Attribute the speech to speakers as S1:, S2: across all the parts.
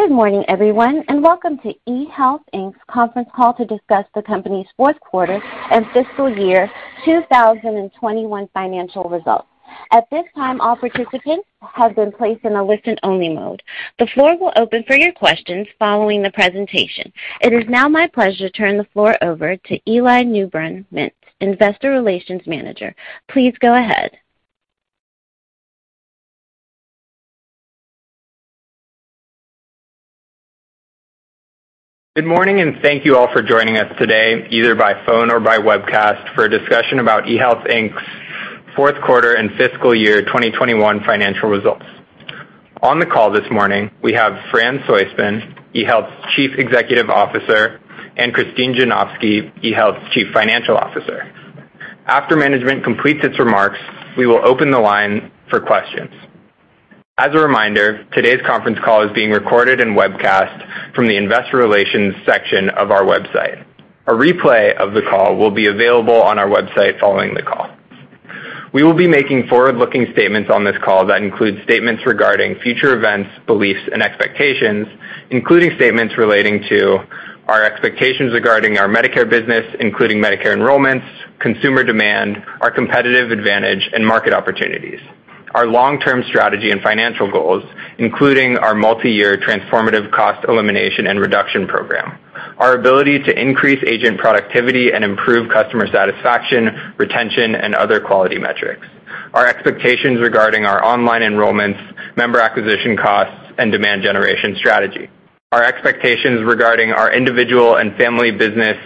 S1: Good morning, everyone, and welcome to eHealth, Inc's conference call to discuss the company's fourth quarter and fiscal year 2021 financial results. At this time, all participants have been placed in a listen-only mode. The floor will open for your questions following the presentation. It is now my pleasure to turn the floor over to Eli Newbrun-Mintz, Senior Investor Relations Manager. Please go ahead.
S2: Good morning, and thank you all for joining us today, either by phone or by webcast, for a discussion about eHealth, Inc's fourth quarter and fiscal year 2021 financial results. On the call this morning, we have Fran Soistman, eHealth's Chief Executive Officer, and Christine Janofsky, eHealth's Chief Financial Officer. After management completes its remarks, we will open the line for questions. As a reminder, today's conference call is being recorded and webcast from the investor relations section of our website. A replay of the call will be available on our website following the call. We will be making forward-looking statements on this call that include statements regarding future events, beliefs, and expectations, including statements relating to our expectations regarding our Medicare business, including Medicare enrollments, consumer demand, our competitive advantage, and market opportunities, our long-term strategy and financial goals, including our multi-year transformative cost elimination and reduction program, our ability to increase agent productivity and improve customer satisfaction, retention, and other quality metrics, our expectations regarding our online enrollments, member acquisition costs, and demand generation strategy, our expectations regarding our individual and family business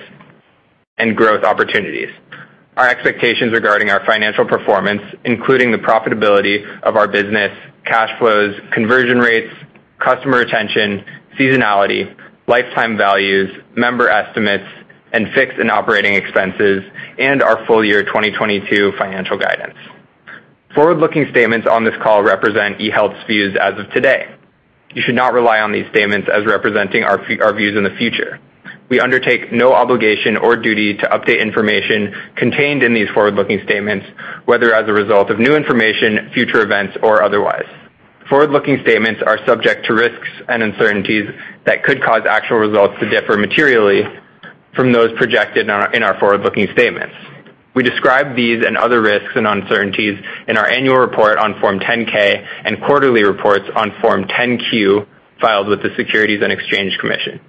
S2: and growth opportunities, our expectations regarding our financial performance, including the profitability of our business, cash flows, conversion rates, customer retention, seasonality, lifetime values, member estimates, and fixed and operating expenses, and our full-year 2022 financial guidance. Forward-looking statements on this call represent eHealth's views as of today. You should not rely on these statements as representing our views in the future. We undertake no obligation or duty to update information contained in these forward-looking statements, whether as a result of new information, future events, or otherwise. Forward-looking statements are subject to risks and uncertainties that could cause actual results to differ materially from those projected in our forward-looking statements. We describe these and other risks and uncertainties in our annual report on Form 10-K and quarterly reports on Form 10-Q filed with the Securities and Exchange Commission,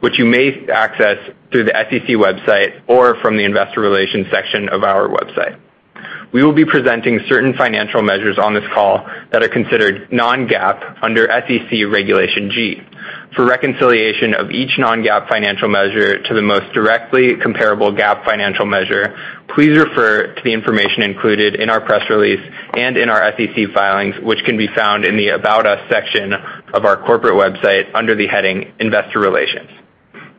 S2: which you may access through the sec website or from the investor relations section of our website. We will be presenting certain financial measures on this call that are considered non-GAAP under SEC Regulation G. For reconciliation of each non-GAAP financial measure to the most directly comparable GAAP financial measure, please refer to the information included in our press release and in our SEC filings, which can be found in the About Us section of our corporate website under the heading Investor Relations.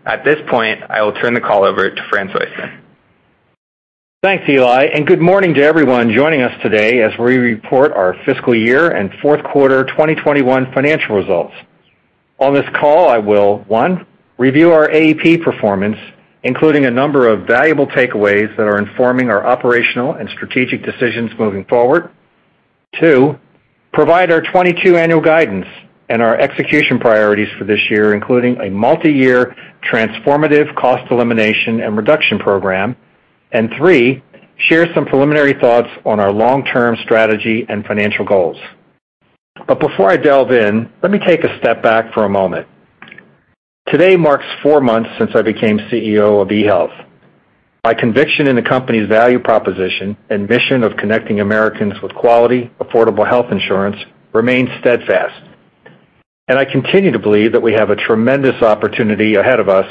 S2: At this point, I will turn the call over to Fran Soistman.
S3: Thanks, Eli, and good morning to everyone joining us today as we report our fiscal year and fourth quarter 2021 financial results. On this call, I will, one, review our AEP performance, including a number of valuable takeaways that are informing our operational and strategic decisions moving forward. Two, provide our 2022 annual guidance and our execution priorities for this year, including a multi-year transformative cost elimination and reduction program. Three, share some preliminary thoughts on our long-term strategy and financial goals. Before I delve in, let me take a step back for a moment. Today marks four months since I became CEO of eHealth. My conviction in the company's value proposition and mission of connecting Americans with quality, affordable health insurance remains steadfast. I continue to believe that we have a tremendous opportunity ahead of us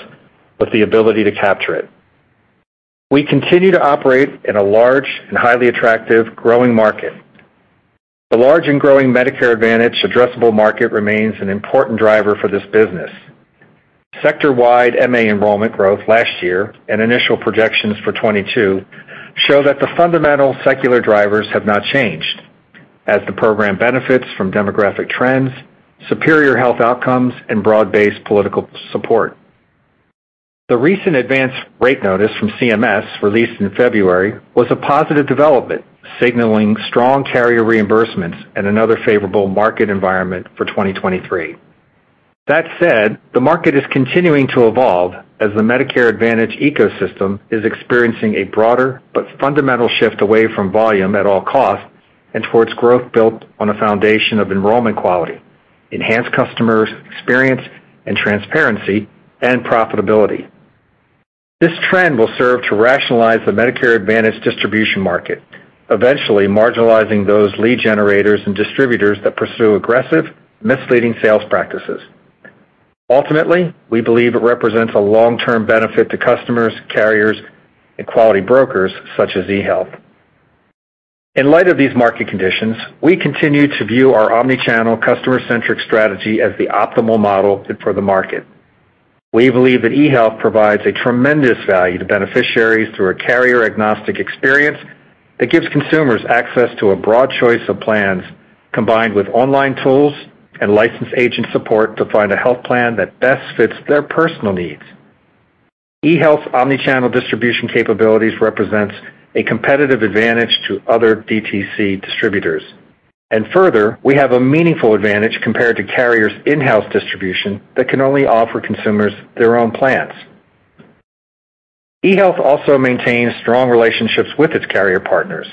S3: with the ability to capture it. We continue to operate in a large and highly attractive growing market. The large and growing Medicare Advantage addressable market remains an important driver for this business. Sector-wide MA enrollment growth last year and initial projections for 2022 show that the fundamental secular drivers have not changed as the program benefits from demographic trends, superior health outcomes, and broad-based political support. The recent advance rate notice from CMS, released in February, was a positive development, signaling strong carrier reimbursements and another favorable market environment for 2023. That said, the market is continuing to evolve as the Medicare Advantage ecosystem is experiencing a broader but fundamental shift away from volume at all costs and towards growth built on a foundation of enrollment quality, enhanced customers' experience and transparency, and profitability. This trend will serve to rationalize the Medicare Advantage distribution market, eventually marginalizing those lead generators and distributors that pursue aggressive, misleading sales practices. Ultimately, we believe it represents a long-term benefit to customers, carriers, and quality brokers such as eHealth. In light of these market conditions, we continue to view our omni-channel customer-centric strategy as the optimal model for the market. We believe that eHealth provides a tremendous value to beneficiaries through a carrier-agnostic experience that gives consumers access to a broad choice of plans combined with online tools and licensed agent support to find a health plan that best fits their personal needs. eHealth's omni-channel distribution capabilities represents a competitive advantage to other DTC distributors. Further, we have a meaningful advantage compared to carriers' in-house distribution that can only offer consumers their own plans. eHealth also maintains strong relationships with its carrier partners.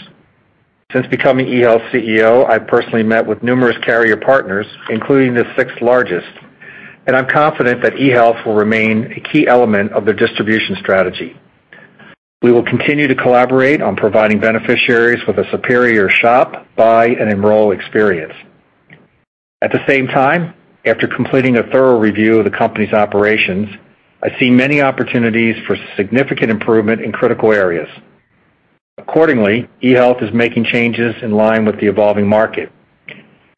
S3: Since becoming eHealth's CEO, I've personally met with numerous carrier partners, including the sixth-largest, and I'm confident that eHealth will remain a key element of their distribution strategy. We will continue to collaborate on providing beneficiaries with a superior shop, buy, and enroll experience. At the same time, after completing a thorough review of the company's operations, I see many opportunities for significant improvement in critical areas. Accordingly, eHealth is making changes in line with the evolving market.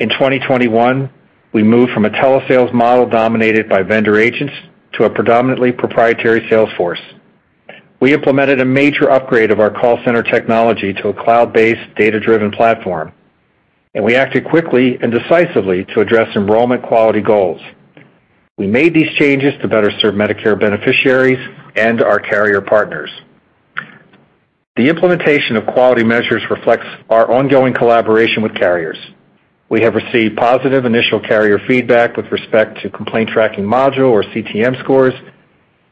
S3: In 2021, we moved from a telesales model dominated by vendor agents to a predominantly proprietary sales force. We implemented a major upgrade of our call center technology to a cloud-based, data-driven platform, and we acted quickly and decisively to address enrollment quality goals. We made these changes to better serve Medicare beneficiaries and our carrier partners. The implementation of quality measures reflects our ongoing collaboration with carriers. We have received positive initial carrier feedback with respect to complaint tracking module or CTM scores,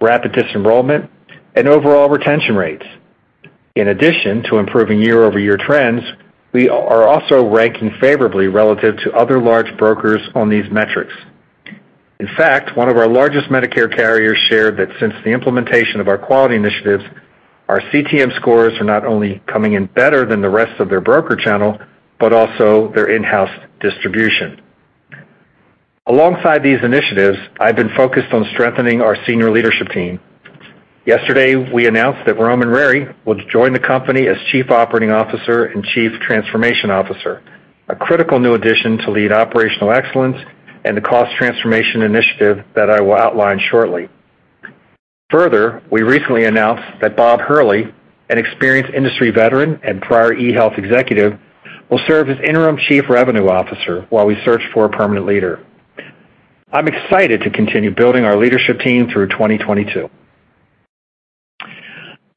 S3: rapid disenrollment, and overall retention rates. In addition to improving year-over-year trends, we are also ranking favorably relative to other large brokers on these metrics. In fact, one of our largest Medicare carriers shared that since the implementation of our quality initiatives, our CTM scores are not only coming in better than the rest of their broker channel, but also their in-house distribution. Alongside these initiatives, I've been focused on strengthening our senior leadership team. Yesterday, we announced that Roman Rariy will join the company as Chief Operating Officer and Chief Transformation Officer, a critical new addition to lead operational excellence and the cost transformation initiative that I will outline shortly. Further, we recently announced that Bob Hurley, an experienced industry veteran and prior eHealth executive, will serve as Interim Chief Revenue Officer while we search for a permanent leader. I'm excited to continue building our leadership team through 2022.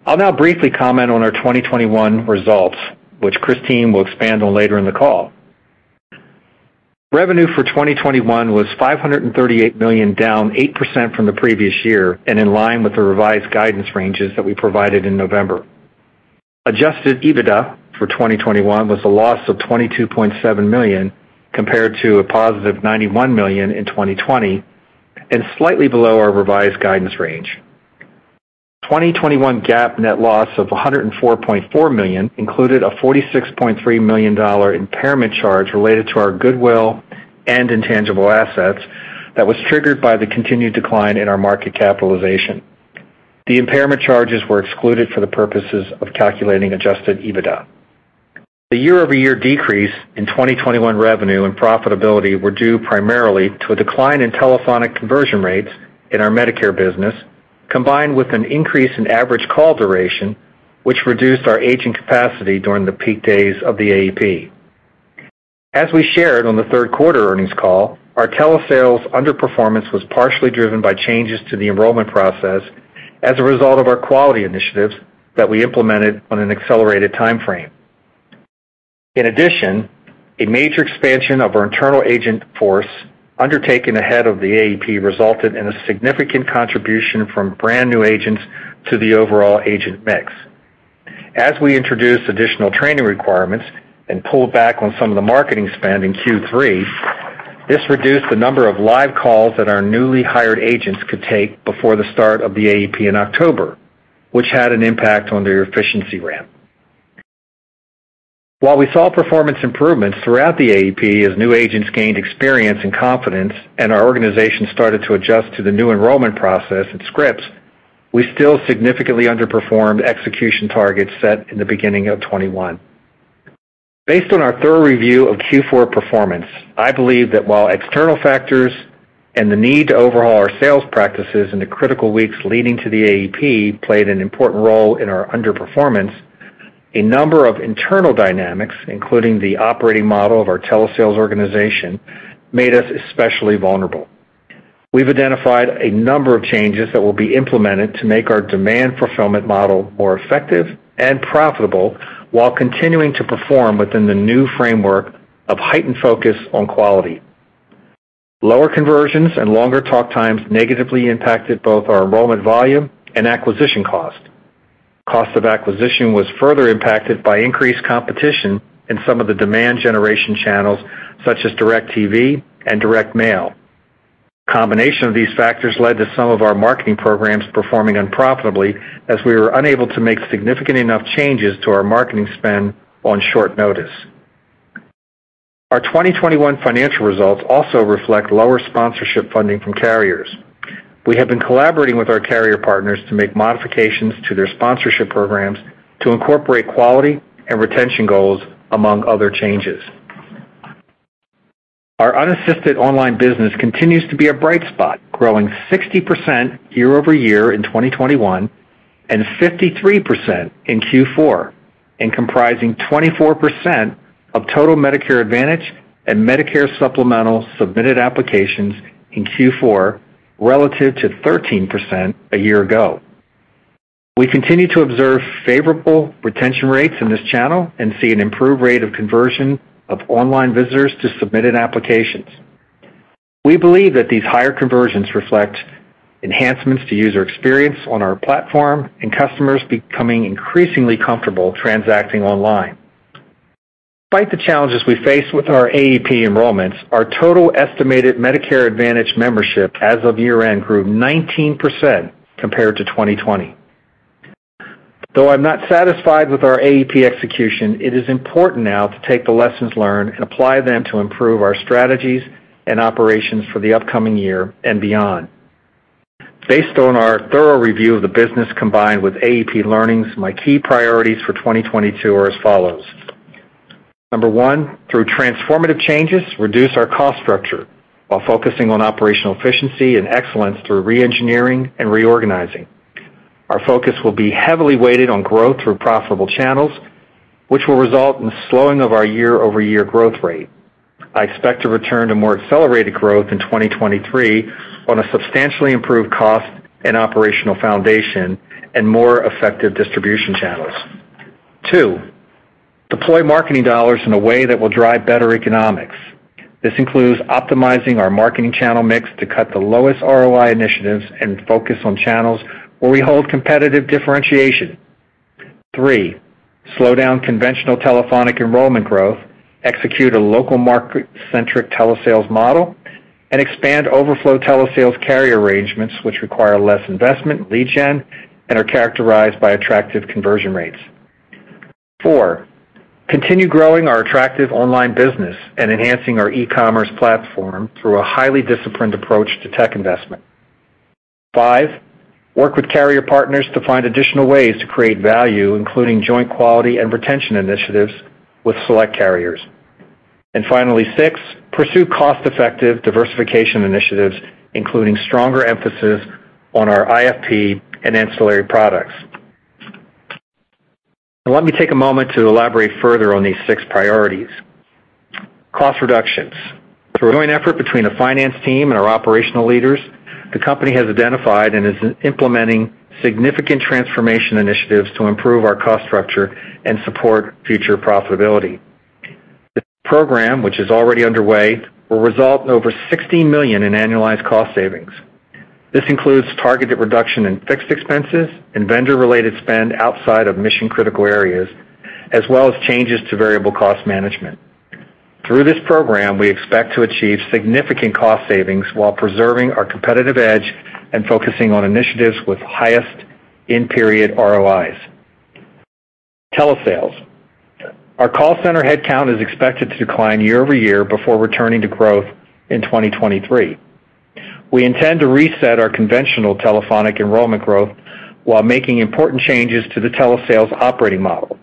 S3: I'll now briefly comment on our 2021 results, which Christine will expand on later in the call. Revenue for 2021 was $538 million, down 8% from the previous year and in line with the revised guidance ranges that we provided in November. Adjusted EBITDA for 2021 was a loss of $22.7 million compared to a +$91 million in 2020 and slightly below our revised guidance range. 2021 GAAP net loss of $104.4 million included a $46.3 million impairment charge related to our goodwill and intangible assets that was triggered by the continued decline in our market capitalization. The impairment charges were excluded for the purposes of calculating adjusted EBITDA. The year-over-year decrease in 2021 revenue and profitability were due primarily to a decline in telephonic conversion rates in our Medicare business, combined with an increase in average call duration, which reduced our agent capacity during the peak days of the AEP. As we shared on the third quarter earnings call, our telesales underperformance was partially driven by changes to the enrollment process as a result of our quality initiatives that we implemented on an accelerated timeframe. In addition, a major expansion of our internal agent force undertaken ahead of the AEP resulted in a significant contribution from brand-new agents to the overall agent mix. As we introduced additional training requirements and pulled back on some of the marketing spend in Q3, this reduced the number of live calls that our newly hired agents could take before the start of the AEP in October, which had an impact on their efficiency ramp. While we saw performance improvements throughout the AEP as new agents gained experience and confidence and our organization started to adjust to the new enrollment process and scripts, we still significantly underperformed execution targets set in the beginning of 2021. Based on our thorough review of Q4 performance, I believe that while external factors and the need to overhaul our sales practices in the critical weeks leading to the AEP played an important role in our underperformance, a number of internal dynamics, including the operating model of our telesales organization, made us especially vulnerable. We've identified a number of changes that will be implemented to make our demand fulfillment model more effective and profitable while continuing to perform within the new framework of heightened focus on quality. Lower conversions and longer talk times negatively impacted both our enrollment volume and acquisition cost. Cost of acquisition was further impacted by increased competition in some of the demand generation channels, such as DIRECTV and direct mail. Combination of these factors led to some of our marketing programs performing unprofitably as we were unable to make significant enough changes to our marketing spend on short notice. Our 2021 financial results also reflect lower sponsorship funding from carriers. We have been collaborating with our carrier partners to make modifications to their sponsorship programs to incorporate quality and retention goals, among other changes. Our unassisted online business continues to be a bright spot, growing 60% year-over-year in 2021. 53% in Q4 and comprising 24% of total Medicare Advantage and Medicare Supplement submitted applications in Q4 relative to 13% a year ago. We continue to observe favorable retention rates in this channel and see an improved rate of conversion of online visitors to submitted applications. We believe that these higher conversions reflect enhancements to user experience on our platform and customers becoming increasingly comfortable transacting online. Despite the challenges we face with our AEP enrollments, our total estimated Medicare Advantage membership as of year-end grew 19% compared to 2020. Though I'm not satisfied with our AEP execution, it is important now to take the lessons learned and apply them to improve our strategies and operations for the upcoming year and beyond. Based on our thorough review of the business, combined with AEP learnings, my key priorities for 2022 are as follows. One, through transformative changes, reduce our cost structure while focusing on operational efficiency and excellence through re-engineering and reorganizing. Our focus will be heavily weighted on growth through profitable channels, which will result in slowing of our year-over-year growth rate. I expect to return to more accelerated growth in 2023 on a substantially improved cost and operational foundation and more effective distribution channels. Two, deploy marketing dollars in a way that will drive better economics. This includes optimizing our marketing channel mix to cut the lowest ROI initiatives and focus on channels where we hold competitive differentiation. Three, slow down conventional telephonic enrollment growth, execute a local market-centric telesales model, and expand overflow telesales carrier arrangements which require less investment in lead gen and are characterized by attractive conversion rates. Four, continue growing our attractive online business and enhancing our e-commerce platform through a highly disciplined approach to tech investment. Five, work with carrier partners to find additional ways to create value, including joint quality and retention initiatives with select carriers. Finally, six, pursue cost-effective diversification initiatives, including stronger emphasis on our IFP and ancillary products. Now, let me take a moment to elaborate further on these six priorities. Cost reductions. Through a joint effort between the finance team and our operational leaders, the company has identified and is implementing significant transformation initiatives to improve our cost structure and support future profitability. This program, which is already underway, will result in over $16 million in annualized cost savings. This includes targeted reduction in fixed expenses and vendor-related spend outside of mission-critical areas, as well as changes to variable cost management. Through this program, we expect to achieve significant cost savings while preserving our competitive edge and focusing on initiatives with highest in-period ROIs. Telesales. Our call center headcount is expected to decline year-over-year before returning to growth in 2023. We intend to reset our conventional telephonic enrollment growth while making important changes to the telesales operating model.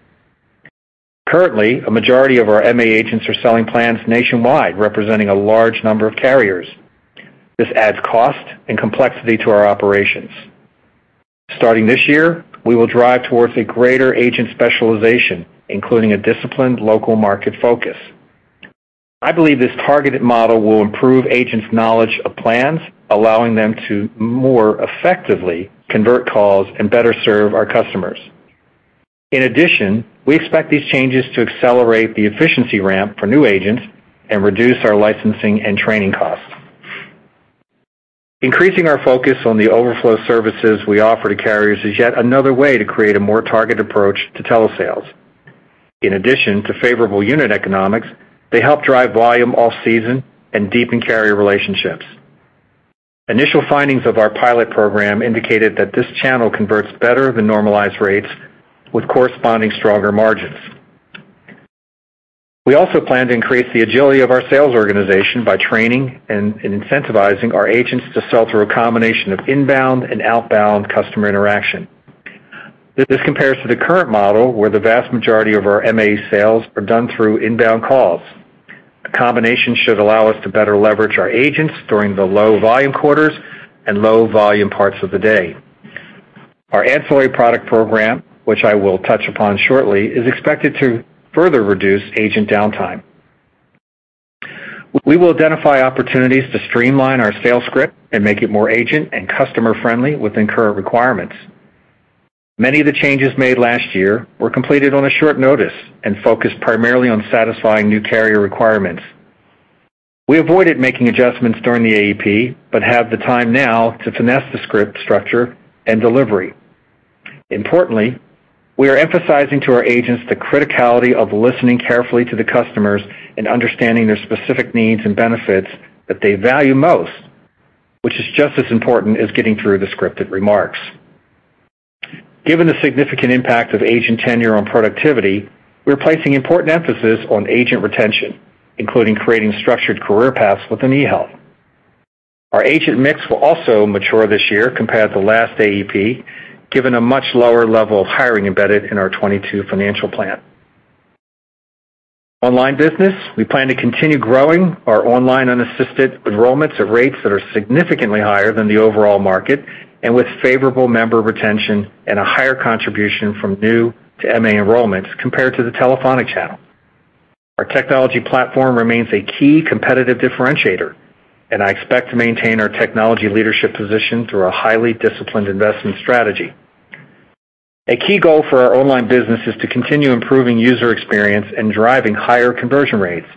S3: Currently, a majority of our MA agents are selling plans nationwide, representing a large number of carriers. This adds cost and complexity to our operations. Starting this year, we will drive towards a greater agent specialization, including a disciplined local market focus. I believe this targeted model will improve agents' knowledge of plans, allowing them to more effectively convert calls and better serve our customers. In addition, we expect these changes to accelerate the efficiency ramp for new agents and reduce our licensing and training costs. Increasing our focus on the overflow services we offer to carriers is yet another way to create a more targeted approach to telesales. In addition to favorable unit economics, they help drive volume off season and deepen carrier relationships. Initial findings of our pilot program indicated that this channel converts better than normalized rates with corresponding stronger margins. We also plan to increase the agility of our sales organization by training and incentivizing our agents to sell through a combination of inbound and outbound customer interaction. This compares to the current model, where the vast majority of our MA sales are done through inbound calls. A combination should allow us to better leverage our agents during the low volume quarters and low volume parts of the day. Our ancillary product program, which I will touch upon shortly, is expected to further reduce agent downtime. We will identify opportunities to streamline our sales script and make it more agent and customer-friendly within current requirements. Many of the changes made last year were completed on a short notice and focused primarily on satisfying new carrier requirements. We avoided making adjustments during the AEP, but have the time now to finesse the script structure and delivery. Importantly, we are emphasizing to our agents the criticality of listening carefully to the customers and understanding their specific needs and benefits that they value most, which is just as important as getting through the scripted remarks. Given the significant impact of agent tenure on productivity, we're placing important emphasis on agent retention, including creating structured career paths within eHealth. Our agent mix will also mature this year compared to last AEP, given a much lower level of hiring embedded in our 2022 financial plan. Online business. We plan to continue growing our online unassisted enrollments at rates that are significantly higher than the overall market and with favorable member retention and a higher contribution from new to MA enrollments compared to the telephonic channel. Our technology platform remains a key competitive differentiator, and I expect to maintain our technology leadership position through a highly disciplined investment strategy. A key goal for our online business is to continue improving user experience and driving higher conversion rates.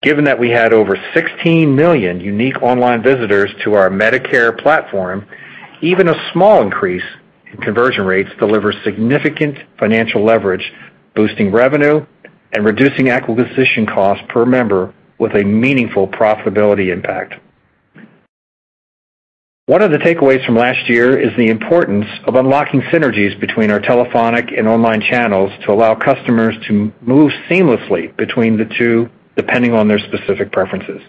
S3: Given that we had over 16 million unique online visitors to our Medicare platform, even a small increase in conversion rates delivers significant financial leverage, boosting revenue and reducing acquisition costs per member with a meaningful profitability impact. One of the takeaways from last year is the importance of unlocking synergies between our telephonic and online channels to allow customers to move seamlessly between the two, depending on their specific preferences.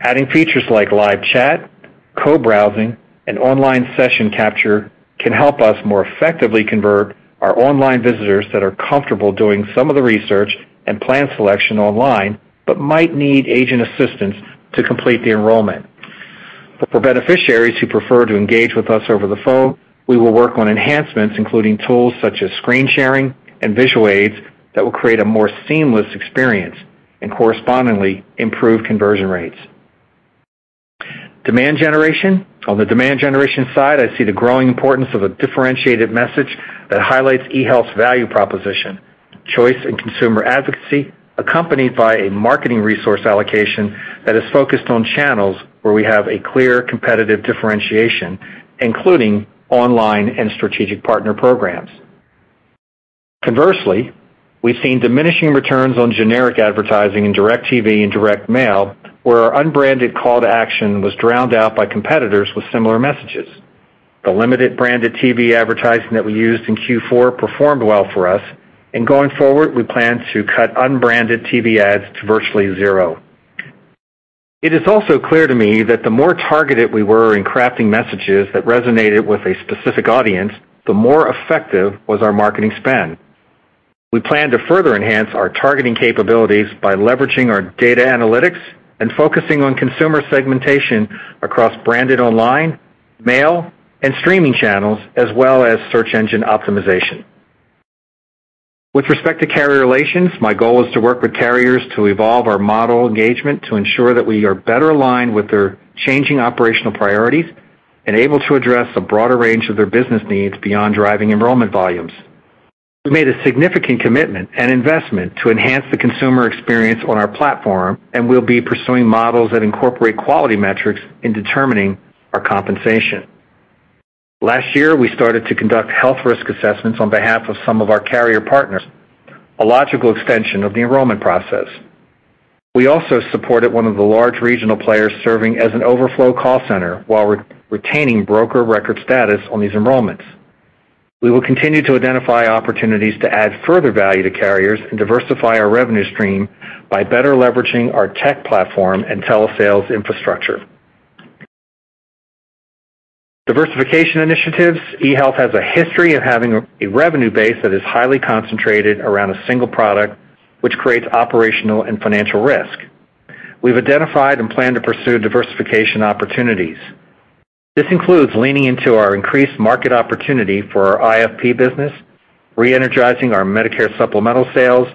S3: Adding features like live chat, co-browsing, and online session capture can help us more effectively convert our online visitors that are comfortable doing some of the research and plan selection online, but might need agent assistance to complete the enrollment. For beneficiaries who prefer to engage with us over the phone, we will work on enhancements, including tools such as screen sharing and visual aids that will create a more seamless experience and correspondingly improve conversion rates. Demand generation. On the demand generation side, I see the growing importance of a differentiated message that highlights eHealth's value proposition, choice and consumer advocacy, accompanied by a marketing resource allocation that is focused on channels where we have a clear competitive differentiation, including online and strategic partner programs. Conversely, we've seen diminishing returns on generic advertising in DIRECTV and direct mail, where our unbranded call to action was drowned out by competitors with similar messages. The limited branded TV advertising that we used in Q4 performed well for us, and going forward, we plan to cut unbranded TV ads to virtually zero. It is also clear to me that the more targeted we were in crafting messages that resonated with a specific audience, the more effective was our marketing spend. We plan to further enhance our targeting capabilities by leveraging our data analytics and focusing on consumer segmentation across branded online, mail, and streaming channels, as well as search engine optimization. With respect to carrier relations, my goal is to work with carriers to evolve our model engagement to ensure that we are better aligned with their changing operational priorities and able to address a broader range of their business needs beyond driving enrollment volumes. We made a significant commitment and investment to enhance the consumer experience on our platform, and we'll be pursuing models that incorporate quality metrics in determining our compensation. Last year, we started to conduct health risk assessments on behalf of some of our carrier partners, a logical extension of the enrollment process. We also supported one of the large regional players serving as an overflow call center while retaining broker record status on these enrollments. We will continue to identify opportunities to add further value to carriers and diversify our revenue stream by better leveraging our tech platform and telesales infrastructure. Diversification initiatives eHealth has a history of having a revenue base that is highly concentrated around a single product, which creates operational and financial risk. We've identified and plan to pursue diversification opportunities. This includes leaning into our increased market opportunity for our IFP business, re-energizing our Medicare Supplement sales,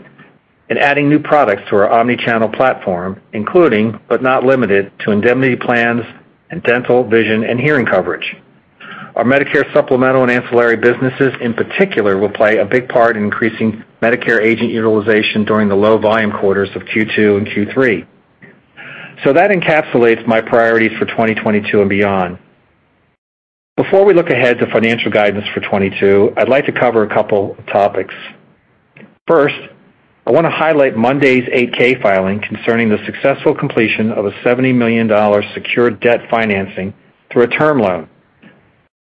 S3: and adding new products to our omni-channel platform, including, but not limited to indemnity plans and dental, vision, and hearing coverage. Our Medicare Supplement and ancillary businesses in particular will play a big part in increasing Medicare agent utilization during the low volume quarters of Q2 and Q3. That encapsulates my priorities for 2022 and beyond. Before we look ahead to financial guidance for 2022, I'd like to cover a couple topics. First, I wanna highlight Monday's 8-K filing concerning the successful completion of a $70 million secured debt financing through a term loan.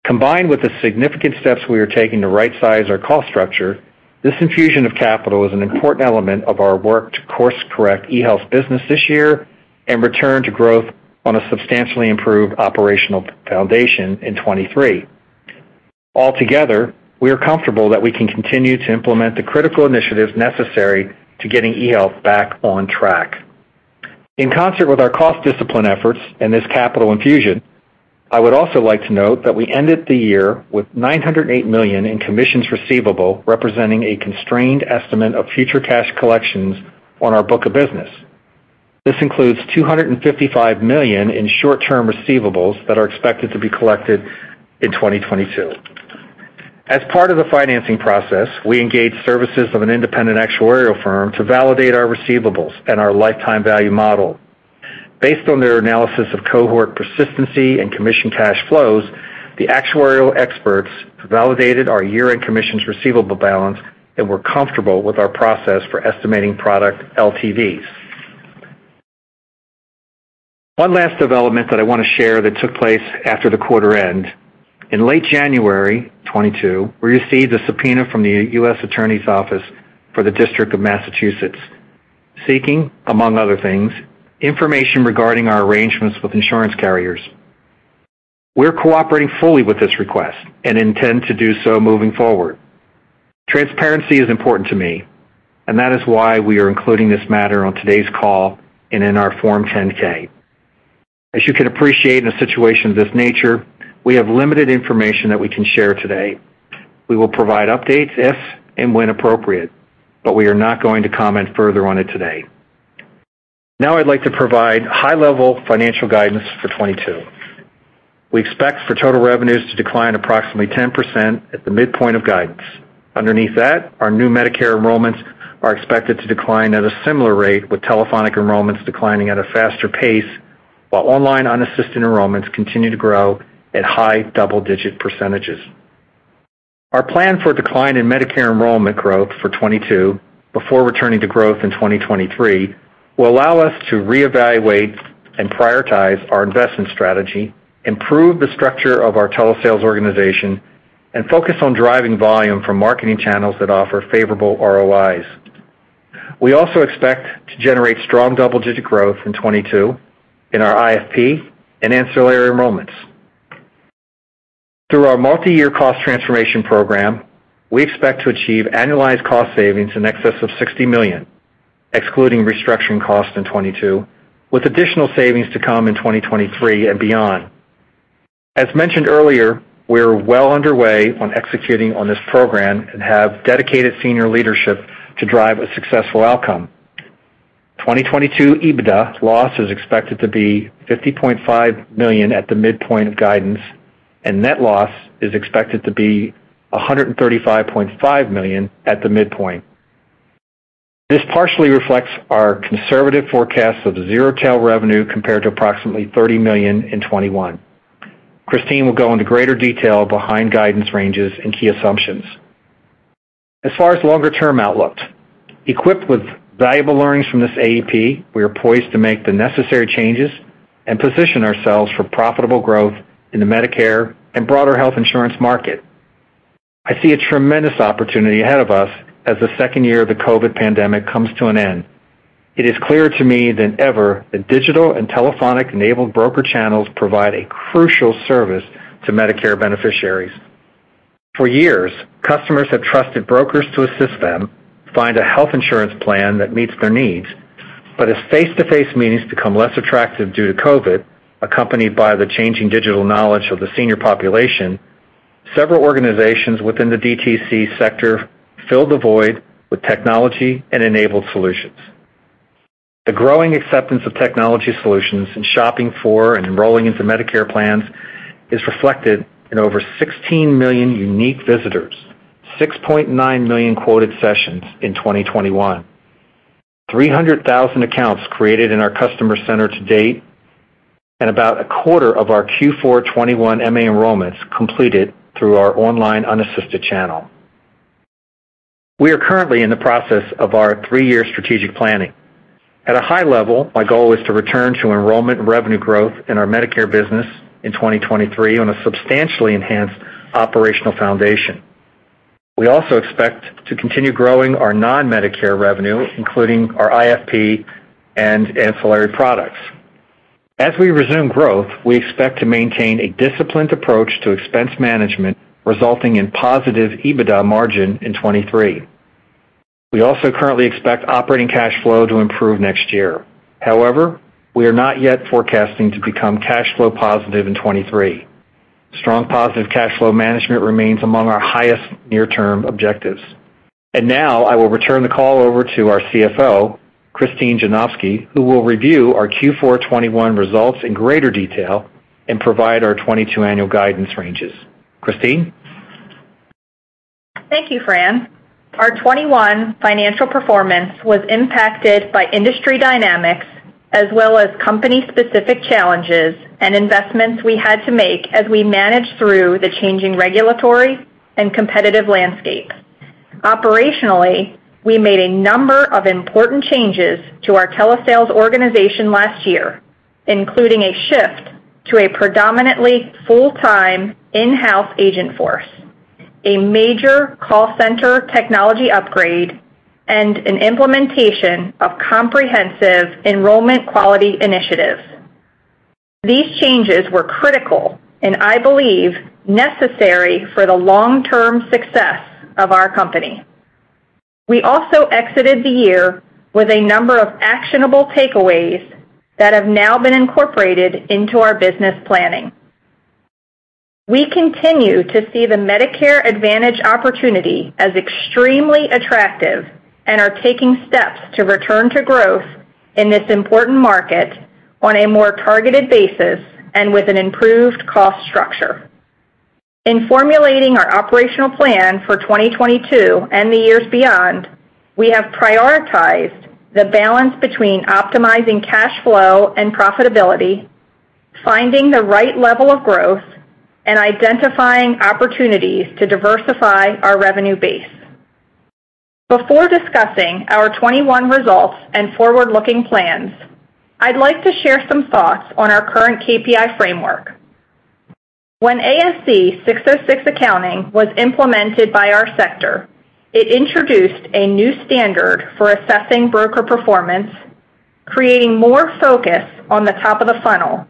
S3: Combined with the significant steps we are taking to right-size our cost structure, this infusion of capital is an important element of our work to course correct eHealth's business this year and return to growth on a substantially improved operational foundation in 2023. Altogether, we are comfortable that we can continue to implement the critical initiatives necessary to getting eHealth back on track. In concert with our cost discipline efforts and this capital infusion, I would also like to note that we ended the year with $908 million in commissions receivable, representing a constrained estimate of future cash collections on our book of business. This includes $255 million in short-term receivables that are expected to be collected in 2022. As part of the financing process, we engaged services of an independent actuarial firm to validate our receivables and our lifetime value model. Based on their analysis of cohort persistency and commission cash flows, the actuarial experts validated our year-end commissions receivable balance and were comfortable with our process for estimating product LTVs. One last development that I wanna share that took place after the quarter end. In late January 2022, we received a subpoena from the US Attorney's Office for the District of Massachusetts, seeking, among other things, information regarding our arrangements with insurance carriers. We're cooperating fully with this request and intend to do so moving forward. Transparency is important to me, and that is why we are including this matter on today's call and in our Form 10-K. As you can appreciate, in a situation of this nature, we have limited information that we can share today. We will provide updates if and when appropriate, but we are not going to comment further on it today. Now I'd like to provide high-level financial guidance for 2022. We expect for total revenues to decline approximately 10% at the midpoint of guidance. Underneath that, our new Medicare enrollments are expected to decline at a similar rate, with telephonic enrollments declining at a faster pace, while online unassisted enrollments continue to grow at high double-digit percentages. Our plan for decline in Medicare enrollment growth for 2022 before returning to growth in 2023 will allow us to reevaluate and prioritize our investment strategy, improve the structure of our telesales organization, and focus on driving volume from marketing channels that offer favorable ROIs. We also expect to generate strong double-digit growth in 2022 in our IFP and ancillary enrollments. Through our multi-year cost transformation program, we expect to achieve annualized cost savings in excess of $60 million, excluding restructuring costs in 2022, with additional savings to come in 2023 and beyond. As mentioned earlier, we're well underway on executing on this program and have dedicated senior leadership to drive a successful outcome. 2022 EBITDA loss is expected to be $50.5 million at the midpoint of guidance, and net loss is expected to be $135.5 million at the midpoint. This partially reflects our conservative forecast of zero tail revenue compared to approximately $30 million in 2021. Christine will go into greater detail behind guidance ranges and key assumptions. As far as longer-term outlook, equipped with valuable learnings from this AEP, we are poised to make the necessary changes and position ourselves for profitable growth in the Medicare and broader health insurance market. I see a tremendous opportunity ahead of us as the second year of the COVID pandemic comes to an end. It is clear to me more than ever that digital and telephonic-enabled broker channels provide a crucial service to Medicare beneficiaries. For years, customers have trusted brokers to assist them find a health insurance plan that meets their needs. As face-to-face meetings become less attractive due to COVID, accompanied by the changing digital knowledge of the senior population, several organizations within the DTC sector filled the void with technology and enabled solutions. The growing acceptance of technology solutions in shopping for and enrolling into Medicare plans is reflected in over 16 million unique visitors, 6.9 million quoted sessions in 2021, 300,000 accounts created in our customer center to date, and about a quarter of our Q4 2021 MA enrollments completed through our online unassisted channel. We are currently in the process of our three-year strategic planning. At a high level, my goal is to return to enrollment and revenue growth in our Medicare business in 2023 on a substantially enhanced operational foundation. We also expect to continue growing our non-Medicare revenue, including our IFP and ancillary products. As we resume growth, we expect to maintain a disciplined approach to expense management, resulting in positive EBITDA margin in 2023. We also currently expect operating cash flow to improve next year. However, we are not yet forecasting to become cash flow positive in 2023. Strong positive cash flow management remains among our highest near-term objectives. Now I will return the call over to our CFO, Christine Janofsky, who will review our Q4 2021 results in greater detail and provide our 2022 annual guidance ranges. Christine?
S4: Thank you, Fran. Our 2021 financial performance was impacted by industry dynamics as well as company-specific challenges and investments we had to make as we managed through the changing regulatory and competitive landscape. Operationally, we made a number of important changes to our telesales organization last year, including a shift to a predominantly full-time in-house agent force, a major call center technology upgrade, and an implementation of comprehensive enrollment quality initiatives. These changes were critical and, I believe, necessary for the long-term success of our company. We also exited the year with a number of actionable takeaways that have now been incorporated into our business planning. We continue to see the Medicare Advantage opportunity as extremely attractive and are taking steps to return to growth in this important market on a more targeted basis and with an improved cost structure. In formulating our operational plan for 2022 and the years beyond, we have prioritized the balance between optimizing cash flow and profitability, finding the right level of growth, and identifying opportunities to diversify our revenue base. Before discussing our 2021 results and forward-looking plans, I'd like to share some thoughts on our current KPI framework. When ASC 606 accounting was implemented by our sector, it introduced a new standard for assessing broker performance, creating more focus on the top of the funnel,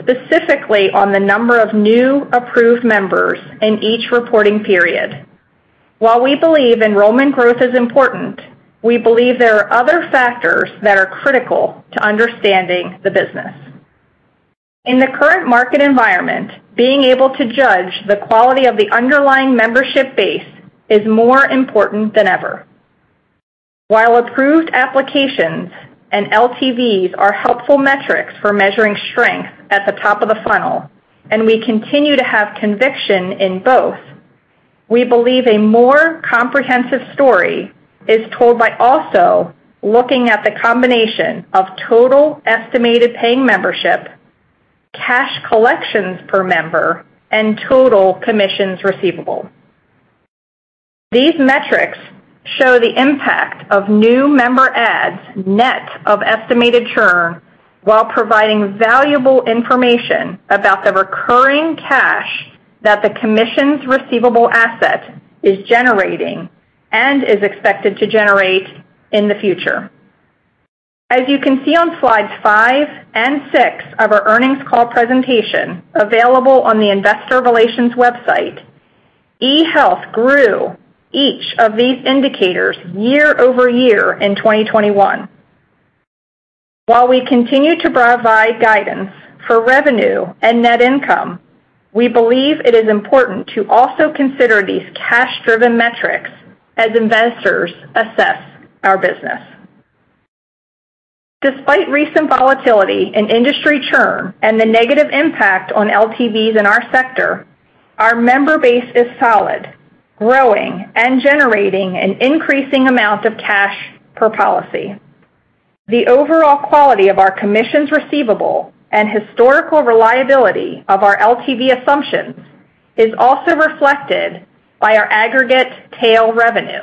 S4: specifically on the number of new approved members in each reporting period. While we believe enrollment growth is important, we believe there are other factors that are critical to understanding the business. In the current market environment, being able to judge the quality of the underlying membership base is more important than ever. While approved applications and LTVs are helpful metrics for measuring strength at the top of the funnel, and we continue to have conviction in both, we believe a more comprehensive story is told by also looking at the combination of total estimated paying membership, cash collections per member, and total commissions receivable. These metrics show the impact of new member adds net of estimated churn, while providing valuable information about the recurring cash that the commission's receivable asset is generating and is expected to generate in the future. As you can see on slides 5 and 6 of our earnings call presentation available on the investor relations website, eHealth grew each of these indicators year-over-year in 2021. While we continue to provide guidance for revenue and net income, we believe it is important to also consider these cash-driven metrics as investors assess our business. Despite recent volatility in industry churn and the negative impact on LTVs in our sector, our member base is solid, growing, and generating an increasing amount of cash per policy. The overall quality of our commissions receivable and historical reliability of our LTV assumptions is also reflected by our aggregate tail revenue,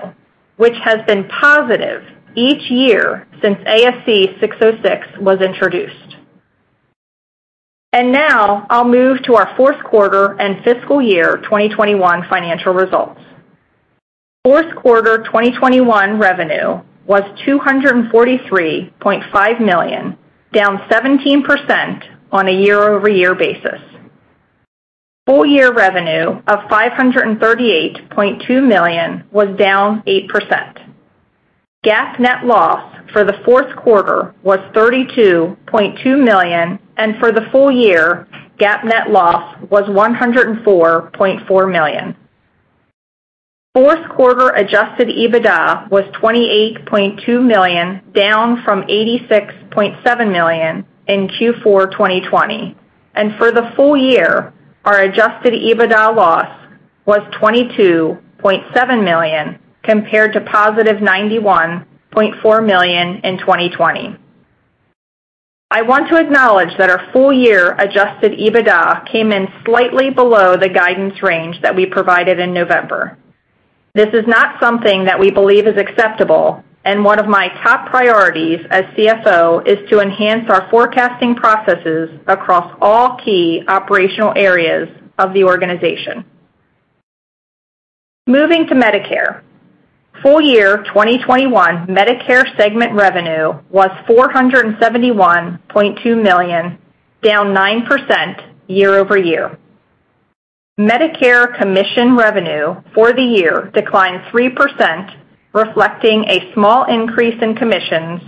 S4: which has been positive each year since ASC 606 was introduced. Now I'll move to our fourth quarter and fiscal year 2021 financial results. Fourth quarter 2021 revenue was $243.5 million, down 17% on a year-over-year basis. Full-year revenue of $538.2 million was down 8%. GAAP net loss for the fourth quarter was $32.2 million, and for the full-year, GAAP net loss was $104.4 million. Fourth quarter adjusted EBITDA was $28.2 million, down from $86.7 million in Q4 2020. For the full-year, our adjusted EBITDA loss was $22.7 million compared to +$91.4 million in 2020. I want to acknowledge that a full-year adjusted EBITDA came in slightly below the guidance range that we provided in November. This is not something that we believe is acceptable, and one of my top priorities as CFO is to enhance our forecasting processes across all key operational areas of the organization. Moving to Medicare. Full-year 2021 Medicare segment revenue was $471.2 million, down 9% year-over-year. Medicare commission revenue for the year declined 3%, reflecting a small increase in commissions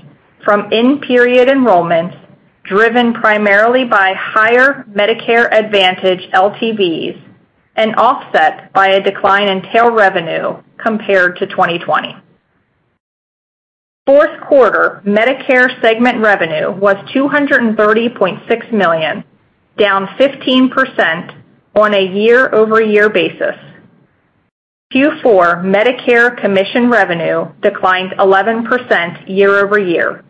S4: from in-period enrollments, driven primarily by higher Medicare Advantage LTVs and offset by a decline in tail revenue compared to 2020. Fourth quarter Medicare segment revenue was $230.6 million, down 15% on a year-over-year basis. Q4 Medicare commission revenue declined 11% year-over-year,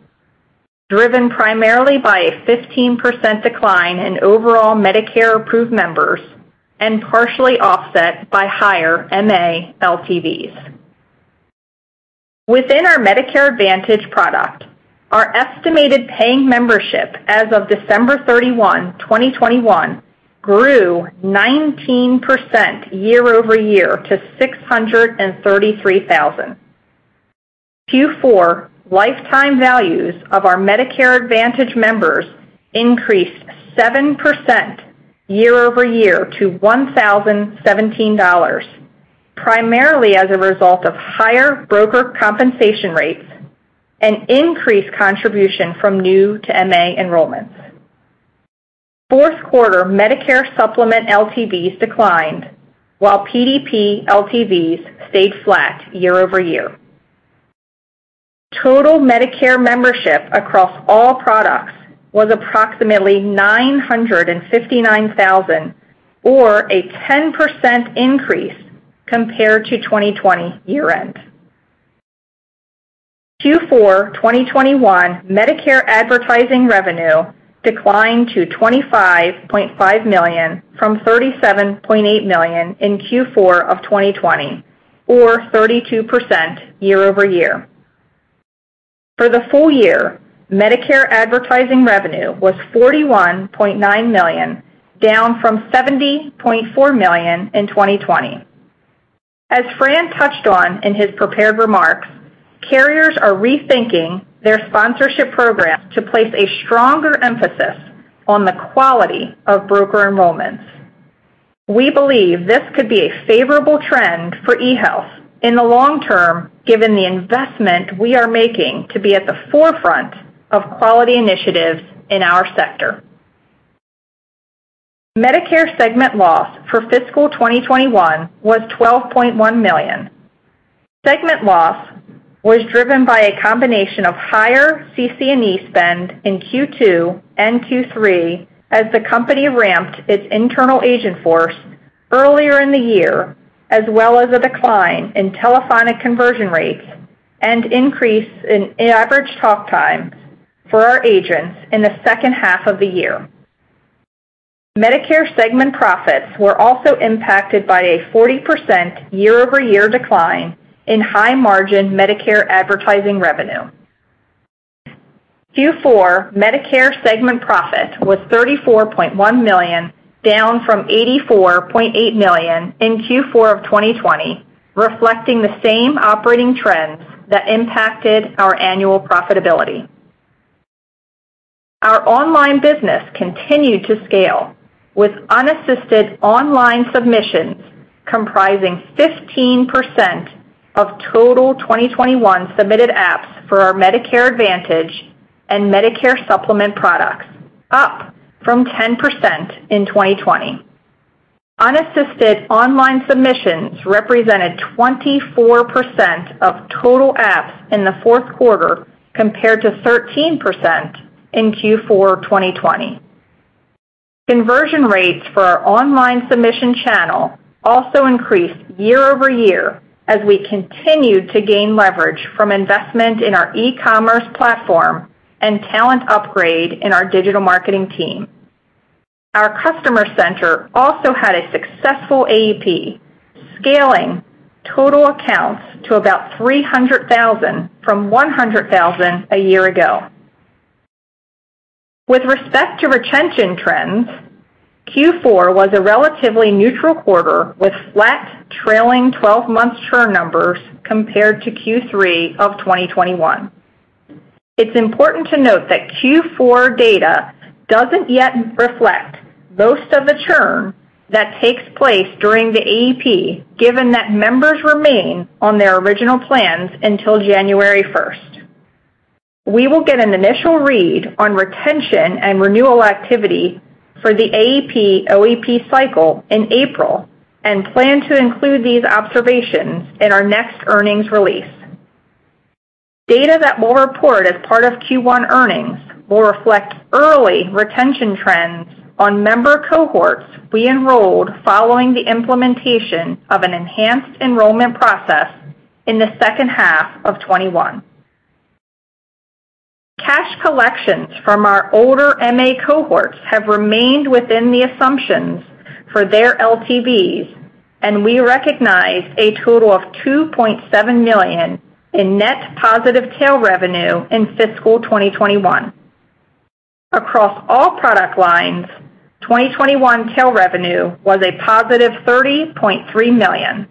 S4: driven primarily by a 15% decline in overall Medicare approved members and partially offset by higher MA LTVs. Within our Medicare Advantage product, our estimated paying membership as of December 31, 2021 grew 19% year-over-year to 633,000. Q4 lifetime values of our Medicare Advantage members increased 7% year-over-year to $1,017, primarily as a result of higher broker compensation rates and increased contribution from new to MA enrollments. Fourth quarter Medicare Supplement LTVs declined while PDP LTVs stayed flat year-over-year. Total Medicare membership across all products was approximately 959,000, or a 10% increase compared to 2020 year-end. Q4 2021 Medicare advertising revenue declined to $25.5 million from $37.8 million in Q4 of 2020, or 32% year-over-year. For the full-year, Medicare advertising revenue was $41.9 million, down from $70.4 million in 2020. As Fran touched on in his prepared remarks, carriers are rethinking their sponsorship program to place a stronger emphasis on the quality of broker enrollments. We believe this could be a favorable trend for eHealth in the long-term, given the investment we are making to be at the forefront of quality initiatives in our sector. Medicare segment loss for fiscal 2021 was $12.1 million. Segment loss was driven by a combination of higher CC&E spend in Q2 and Q3 as the company ramped its internal agent force earlier in the year, as well as a decline in telephonic conversion rates and increase in average talk time for our agents in the second half of the year. Medicare segment profits were also impacted by a 40% year-over-year decline in high-margin Medicare advertising revenue. Q4 Medicare segment profit was $34.1 million, down from $84.8 million in Q4 of 2020, reflecting the same operating trends that impacted our annual profitability. Our online business continued to scale, with unassisted online submissions comprising 15% of total 2021 submitted apps for our Medicare Advantage and Medicare Supplement products, up from 10% in 2020. Unassisted online submissions represented 24% of total apps in the fourth quarter compared to 13% in Q4 of 2020. Conversion rates for our online submission channel also increased year-over-year as we continued to gain leverage from investment in our e-commerce platform and talent upgrade in our digital marketing team. Our customer center also had a successful AEP, scaling total accounts to about 300,000 from 100,000 a year ago. With respect to retention trends, Q4 was a relatively neutral quarter with flat trailing 12 months churn numbers compared to Q3 of 2021. It's important to note that Q4 data doesn't yet reflect most of the churn that takes place during the AEP, given that members remain on their original plans until January 1st. We will get an initial read on retention and renewal activity for the AEP-OEP cycle in April and plan to include these observations in our next earnings release. Data that we'll report as part of Q1 earnings will reflect early retention trends on member cohorts we enrolled following the implementation of an enhanced enrollment process in the second half of 2021. Cash collections from our older MA cohorts have remained within the assumptions for their LTVs, and we recognized a total of $2.7 million in net positive tail revenue in fiscal 2021. Across all product lines, 2021 tail revenue was a positive $30.3 million.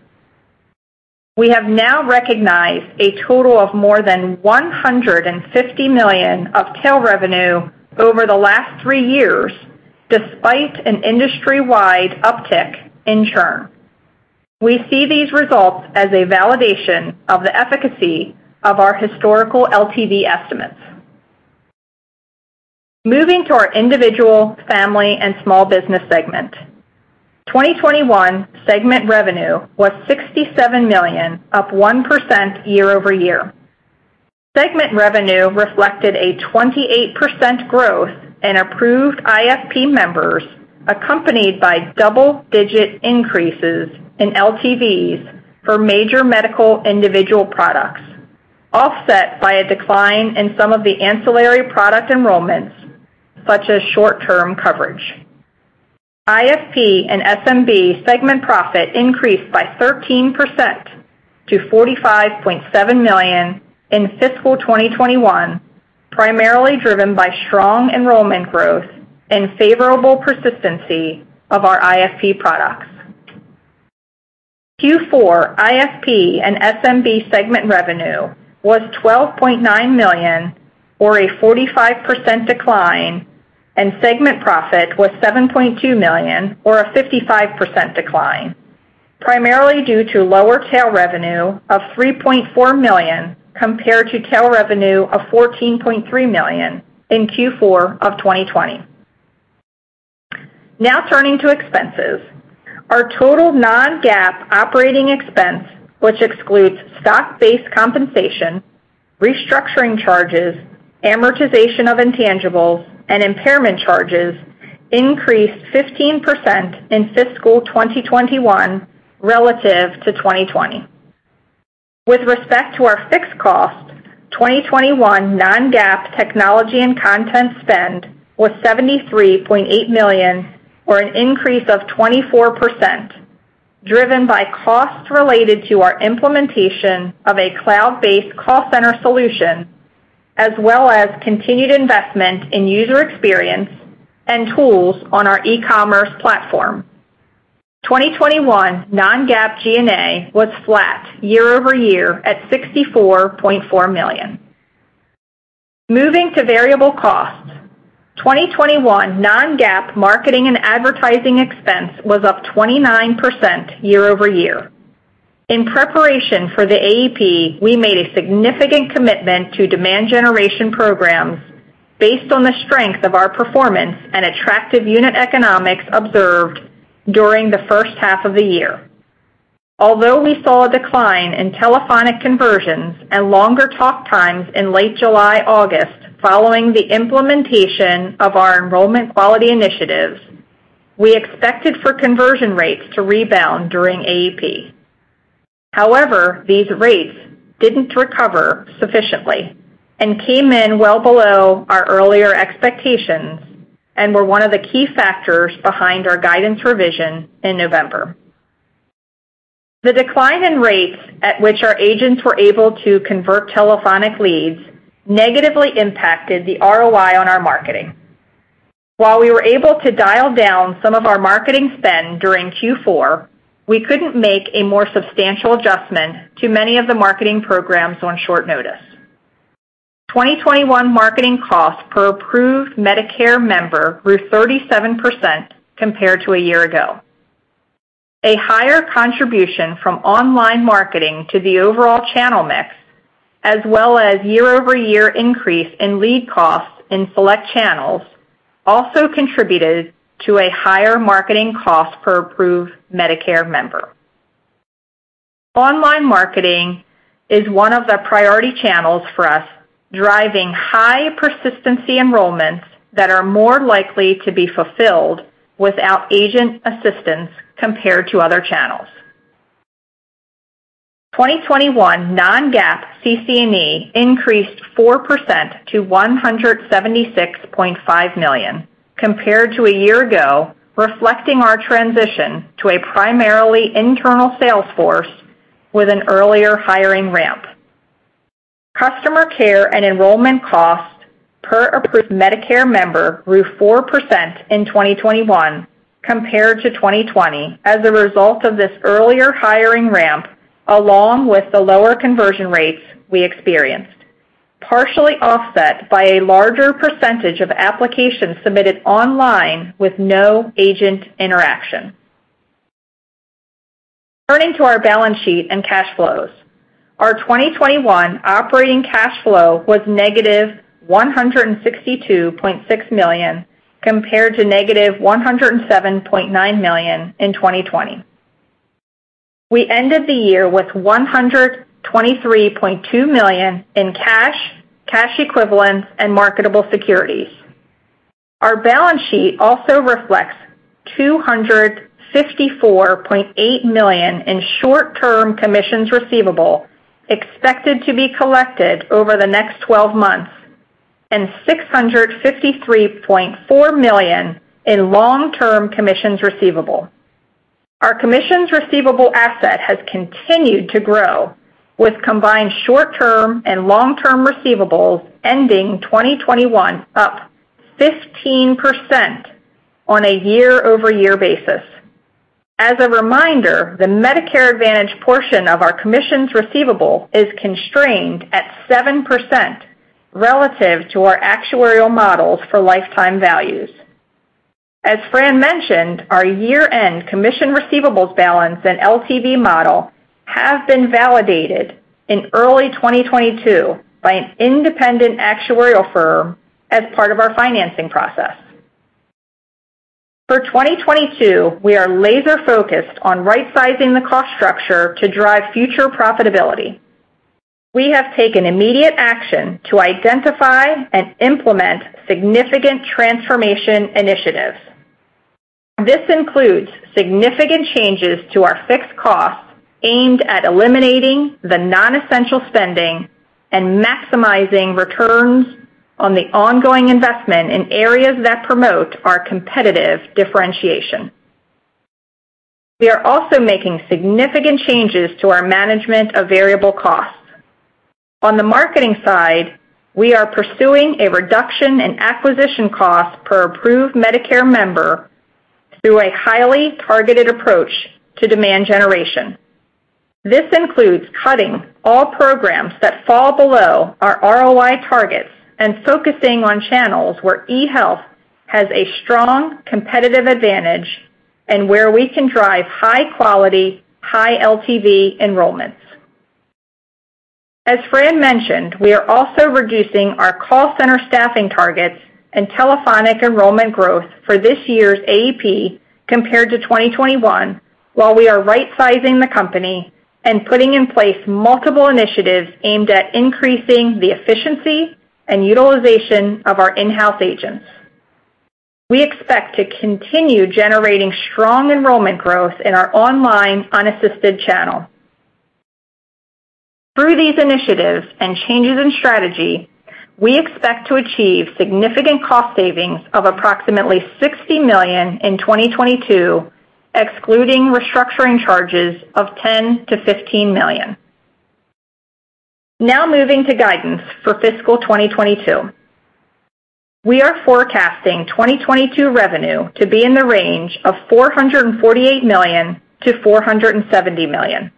S4: We have now recognized a total of more than $150 million of tail revenue over the last three years, despite an industry-wide uptick in churn. We see these results as a validation of the efficacy of our historical LTV estimates. Moving to our Individual, Family, and Small Business segment. 2021 segment revenue was $67 million, up 1% year-over-year. Segment revenue reflected a 28% growth in approved IFP members, accompanied by double-digit increases in LTVs for major medical individual products, offset by a decline in some of the ancillary product enrollments, such as short-term coverage. IFP and SMB segment profit increased by 13% to $45.7 million in fiscal 2021, primarily driven by strong enrollment growth and favorable persistency of our IFP products. Q4 IFP and SMB segment revenue was $12.9 million or a 45% decline, and segment profit was $7.2 million or a 55% decline, primarily due to lower tail revenue of $3.4 million compared to tail revenue of $14.3 million in Q4 of 2020. Now turning to expenses. Our total non-GAAP operating expense, which excludes stock-based compensation, restructuring charges, amortization of intangibles, and impairment charges, increased 15% in fiscal 2021 relative to 2020. With respect to our fixed costs, 2021 non-GAAP technology and content spend was $73.8 million or an increase of 24%, driven by costs related to our implementation of a cloud-based call center solution. As well as continued investment in user experience and tools on our e-commerce platform. 2021 non-GAAP G&A was flat year-over-year at $64.4 million. Moving to variable costs. 2021 non-GAAP marketing and advertising expense was up 29% year-over-year. In preparation for the AEP, we made a significant commitment to demand generation programs based on the strength of our performance and attractive unit economics observed during the first half of the year. Although we saw a decline in telephonic conversions and longer talk times in late July, August, following the implementation of our enrollment quality initiatives, we expected for conversion rates to rebound during AEP. However, these rates didn't recover sufficiently and came in well below our earlier expectations and were one of the key factors behind our guidance revision in November. The decline in rates at which our agents were able to convert telephonic leads negatively impacted the ROI on our marketing. While we were able to dial down some of our marketing spend during Q4, we couldn't make a more substantial adjustment to many of the marketing programs on short notice. 2021 marketing costs per approved Medicare member grew 37% compared to a year ago. A higher contribution from online marketing to the overall channel mix as well as year-over-year increase in lead costs in select channels also contributed to a higher marketing cost per approved Medicare member. Online marketing is one of the priority channels for us, driving high persistency enrollments that are more likely to be fulfilled without agent assistance compared to other channels. 2021 non-GAAP CC&E increased 4% to $176.5 million compared to a year ago, reflecting our transition to a primarily internal sales force with an earlier hiring ramp. Customer care and enrollment costs per approved Medicare member grew 4% in 2021 compared to 2020 as a result of this earlier hiring ramp, along with the lower conversion rates we experienced, partially offset by a larger percentage of applications submitted online with no agent interaction. Turning to our balance sheet and cash flows. Our 2021 operating cash flow was -$162.6 million, compared to -$107.9 million in 2020. We ended the year with $123.2 million in cash equivalents, and marketable securities. Our balance sheet also reflects $254.8 million in short-term commissions receivable expected to be collected over the next 12 months and $653.4 million in long-term commissions receivable. Our commissions receivable asset has continued to grow, with combined short-term and long-term receivables ending 2021, up 15% on a year-over-year basis. As a reminder, the Medicare Advantage portion of our commissions receivable is constrained at 7% relative to our actuarial models for lifetime values. As Fran mentioned, our year-end commission receivables balance and LTV model have been validated in early 2022 by an independent actuarial firm as part of our financing process. For 2022, we are laser-focused on rightsizing the cost structure to drive future profitability. We have taken immediate action to identify and implement significant transformation initiatives. This includes significant changes to our fixed costs aimed at eliminating the non-essential spending and maximizing returns on the ongoing investment in areas that promote our competitive differentiation. We are also making significant changes to our management of variable costs. On the marketing side, we are pursuing a reduction in acquisition costs per approved Medicare member through a highly targeted approach to demand generation. This includes cutting all programs that fall below our ROI targets and focusing on channels where eHealth has a strong competitive advantage and where we can drive high-quality, high LTV enrollments. As Fran mentioned, we are also reducing our call center staffing targets and telephonic enrollment growth for this year's AEP compared to 2021, while we are rightsizing the company and putting in place multiple initiatives aimed at increasing the efficiency and utilization of our in-house agents. We expect to continue generating strong enrollment growth in our online unassisted channel. Through these initiatives and changes in strategy, we expect to achieve significant cost savings of approximately $60 million in 2022, excluding restructuring charges of $10 million-$15 million. Now moving to guidance for fiscal 2022. We are forecasting 2022 revenue to be in the range of $448 million-$470 million.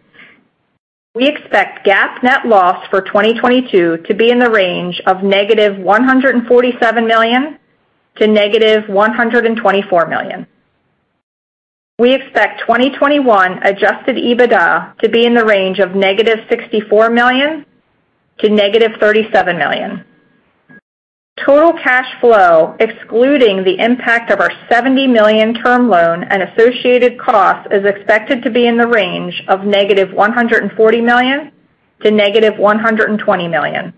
S4: We expect GAAP net loss for 2022 to be in the range of -$147 million to -$124 million. We expect 2021 adjusted EBITDA to be in the range of -$64 million to -$37 million. Total cash flow, excluding the impact of our $70 million term loan and associated costs, is expected to be in the range of -$140 million to -$120 million.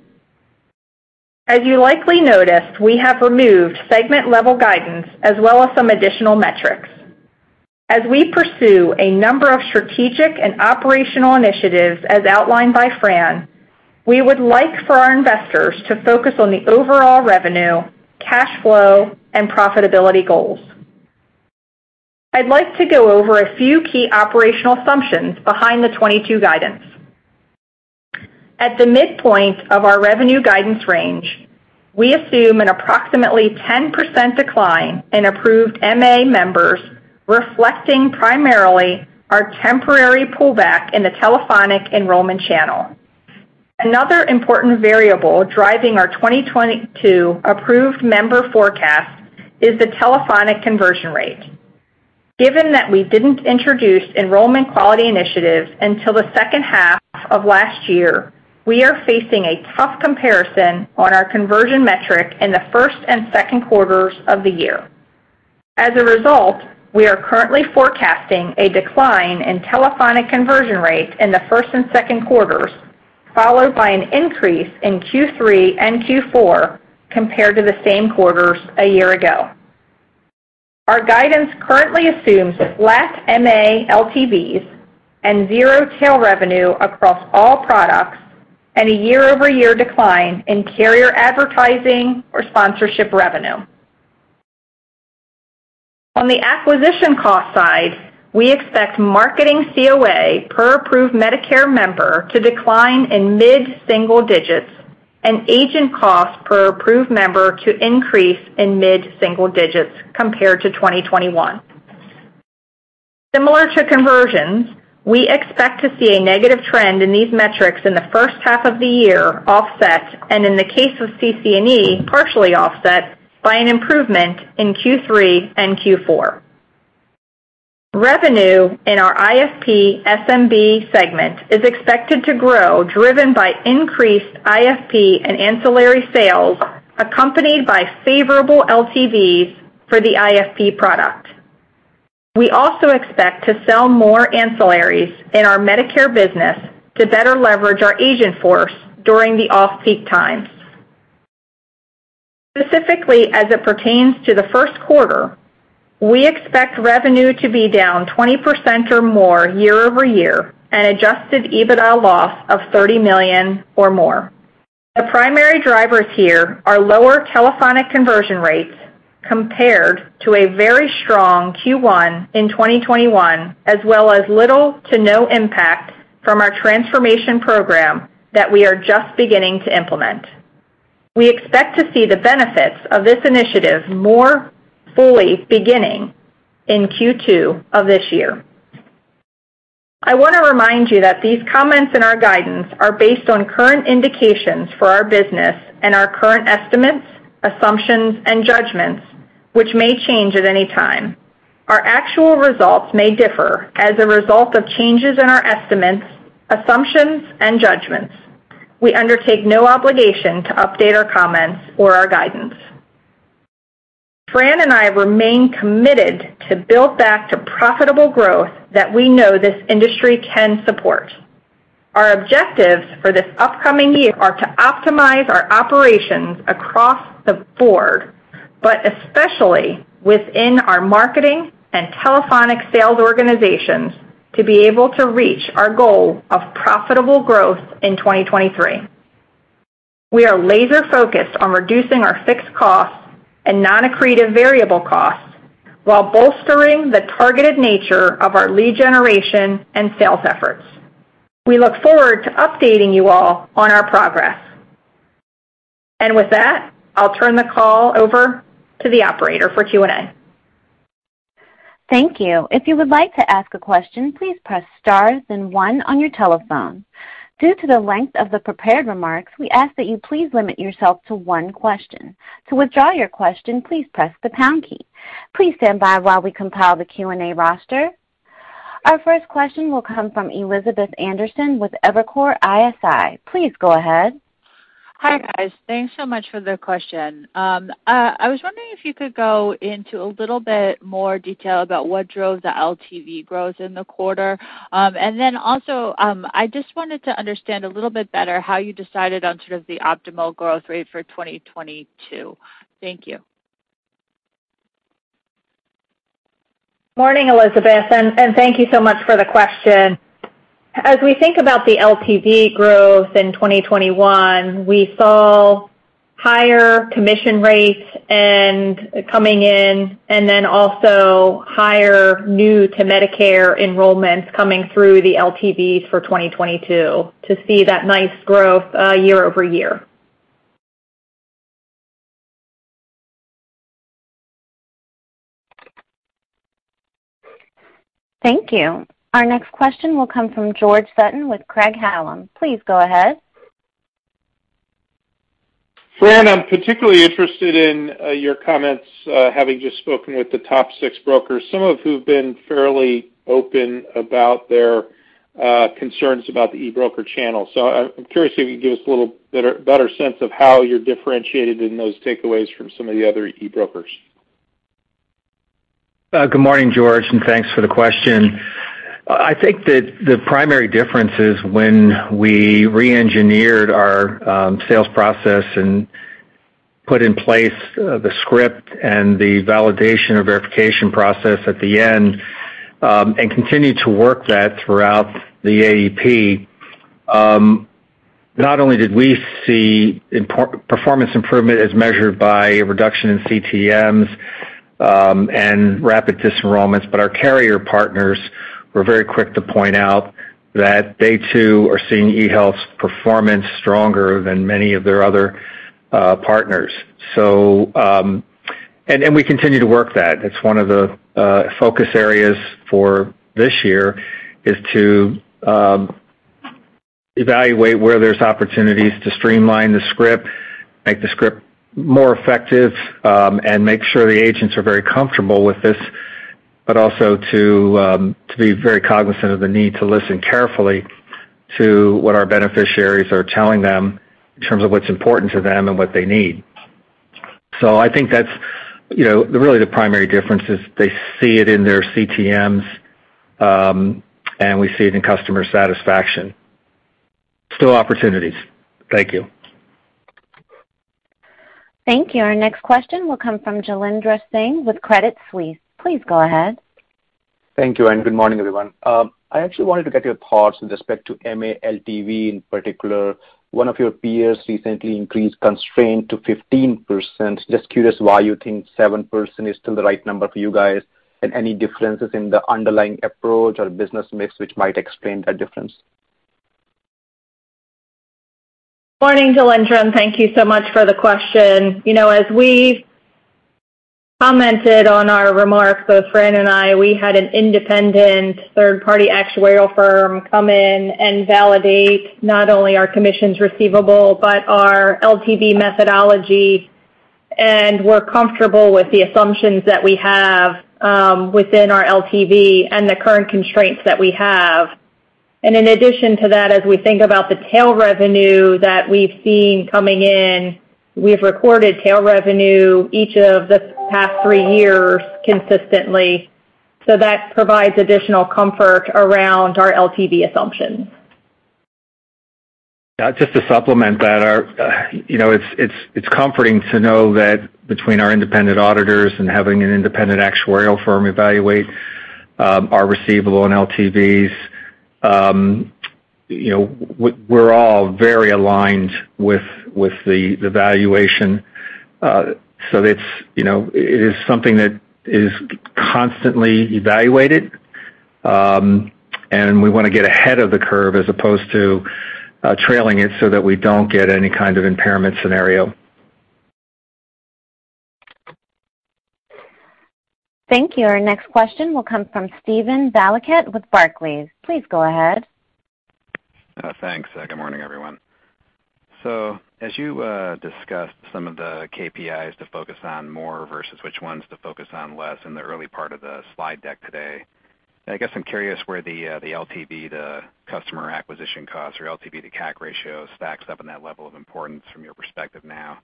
S4: As you likely noticed, we have removed segment-level guidance as well as some additional metrics. As we pursue a number of strategic and operational initiatives as outlined by Fran, we would like for our investors to focus on the overall revenue, cash flow, and profitability goals I'd like to go over a few key operational assumptions behind the 2022 guidance. At the midpoint of our revenue guidance range, we assume an approximately 10% decline in approved MA members, reflecting primarily our temporary pullback in the telephonic enrollment channel. Another important variable driving our 2022 approved member forecast is the telephonic conversion rate. Given that we didn't introduce enrollment quality initiatives until the second half of last year, we are facing a tough comparison on our conversion metric in the first and second quarters of the year. As a result, we are currently forecasting a decline in telephonic conversion rate in the first and second quarters, followed by an increase in Q3 and Q4 compared to the same quarters a year ago. Our guidance currently assumes flat MA LTVs and zero tail revenue across all products and a year-over-year decline in carrier advertising or sponsorship revenue. On the acquisition cost side, we expect marketing COA per approved Medicare member to decline in mid-single digits and agent costs per approved member to increase in mid-single digits compared to 2021. Similar to conversions, we expect to see a negative trend in these metrics in the first half of the year offset, and in the case of CC&E, partially offset by an improvement in Q3 and Q4. Revenue in our IFP SMB segment is expected to grow, driven by increased IFP and ancillary sales, accompanied by favorable LTVs for the IFP product. We also expect to sell more ancillaries in our Medicare business to better leverage our agent force during the off-peak times. Specifically, as it pertains to the first quarter, we expect revenue to be down 20% or more year-over-year and adjusted EBITDA loss of $30 million or more. The primary drivers here are lower telephonic conversion rates compared to a very strong Q1 in 2021, as well as little to no impact from our transformation program that we are just beginning to implement. We expect to see the benefits of this initiative more fully beginning in Q2 of this year. I want to remind you that these comments and our guidance are based on current indications for our business and our current estimates, assumptions and judgments, which may change at any time. Our actual results may differ as a result of changes in our estimates, assumptions, and judgments. We undertake no obligation to update our comments or our guidance. Fran and I remain committed to build back to profitable growth that we know this industry can support. Our objectives for this upcoming year are to optimize our operations across the board, but especially within our marketing and telephonic sales organizations to be able to reach our goal of profitable growth in 2023. We are laser-focused on reducing our fixed costs and non-accretive variable costs while bolstering the targeted nature of our lead generation and sales efforts. We look forward to updating you all on our progress. With that, I'll turn the call over to the operator for Q&A.
S1: Thank you. If you would like to ask a question, please press star then one on your telephone. Due to the length of the prepared remarks, we ask that you please limit yourself to one question. To withdraw your question, please press the pound key. Please stand by while we compile the Q&A roster. Our first question will come from Elizabeth Anderson with Evercore ISI. Please go ahead.
S5: Hi, guys. Thanks so much for the question. I was wondering if you could go into a little bit more detail about what drove the LTV growth in the quarter. And then also, I just wanted to understand a little bit better how you decided on sort of the optimal growth rate for 2022. Thank you.
S4: Morning, Elizabeth, thank you so much for the question. As we think about the LTV growth in 2021, we saw higher commission rates coming in and then also higher new to Medicare enrollments coming through the LTVs for 2022 to see that nice growth year-over-year.
S1: Thank you. Our next question will come from George Sutton with Craig-Hallum. Please go ahead.
S6: Fran, I'm particularly interested in your comments, having just spoken with the top six brokers, some of who've been fairly open about their concerns about the eBroker channel. I'm curious if you can give us a little better sense of how you're differentiated in those takeaways from some of the other eBrokers.
S3: Good morning, George, and thanks for the question. I think that the primary difference is when we reengineered our sales process and put in place the script and the validation or verification process at the end, and continued to work that throughout the AEP, not only did we see performance improvement as measured by a reduction in CTMs and rapid disenrollments, but our carrier partners were very quick to point out that they too are seeing eHealth's performance stronger than many of their other partners. We continue to work that. It's one of the focus areas for this year is to evaluate where there's opportunities to streamline the script, make the script more effective, and make sure the agents are very comfortable with this, but also to be very cognizant of the need to listen carefully to what our beneficiaries are telling them in terms of what's important to them and what they need. I think that's, you know, really the primary difference is they see it in their CTMs, and we see it in customer satisfaction. Still opportunities. Thank you.
S1: Thank you. Our next question will come from Jailendra Singh with Credit Suisse. Please go ahead.
S7: Thank you, and good morning, everyone. I actually wanted to get your thoughts with respect to MA LTV in particular. One of your peers recently increased constraint to 15%. Just curious why you think 7% is still the right number for you guys and any differences in the underlying approach or business mix which might explain that difference.
S4: Morning, Jailendra, and thank you so much for the question. You know, as we commented on our remarks, both Fran and I, we had an independent third-party actuarial firm come in and validate not only our commissions receivable but our LTV methodology, and we're comfortable with the assumptions that we have within our LTV and the current constraints that we have. In addition to that, as we think about the tail revenue that we've seen coming in, we've recorded tail revenue each of the past three years consistently, so that provides additional comfort around our LTV assumptions.
S3: Just to supplement that, you know, it's comforting to know that between our independent auditors and having an independent actuarial firm evaluate our receivable on LTVs, you know, we're all very aligned with the valuation. It's you know, it is something that is constantly evaluated, and we wanna get ahead of the curve as opposed to trailing it so that we don't get any kind of impairment scenario.
S1: Thank you. Our next question will come from Steven Valiquette with Barclays. Please go ahead.
S8: Thanks. Good morning, everyone. As you discussed some of the KPIs to focus on more versus which ones to focus on less in the early part of the slide deck today, I guess I'm curious where the LTV to customer acquisition costs or LTV to CAC ratio stacks up in that level of importance from your perspective now.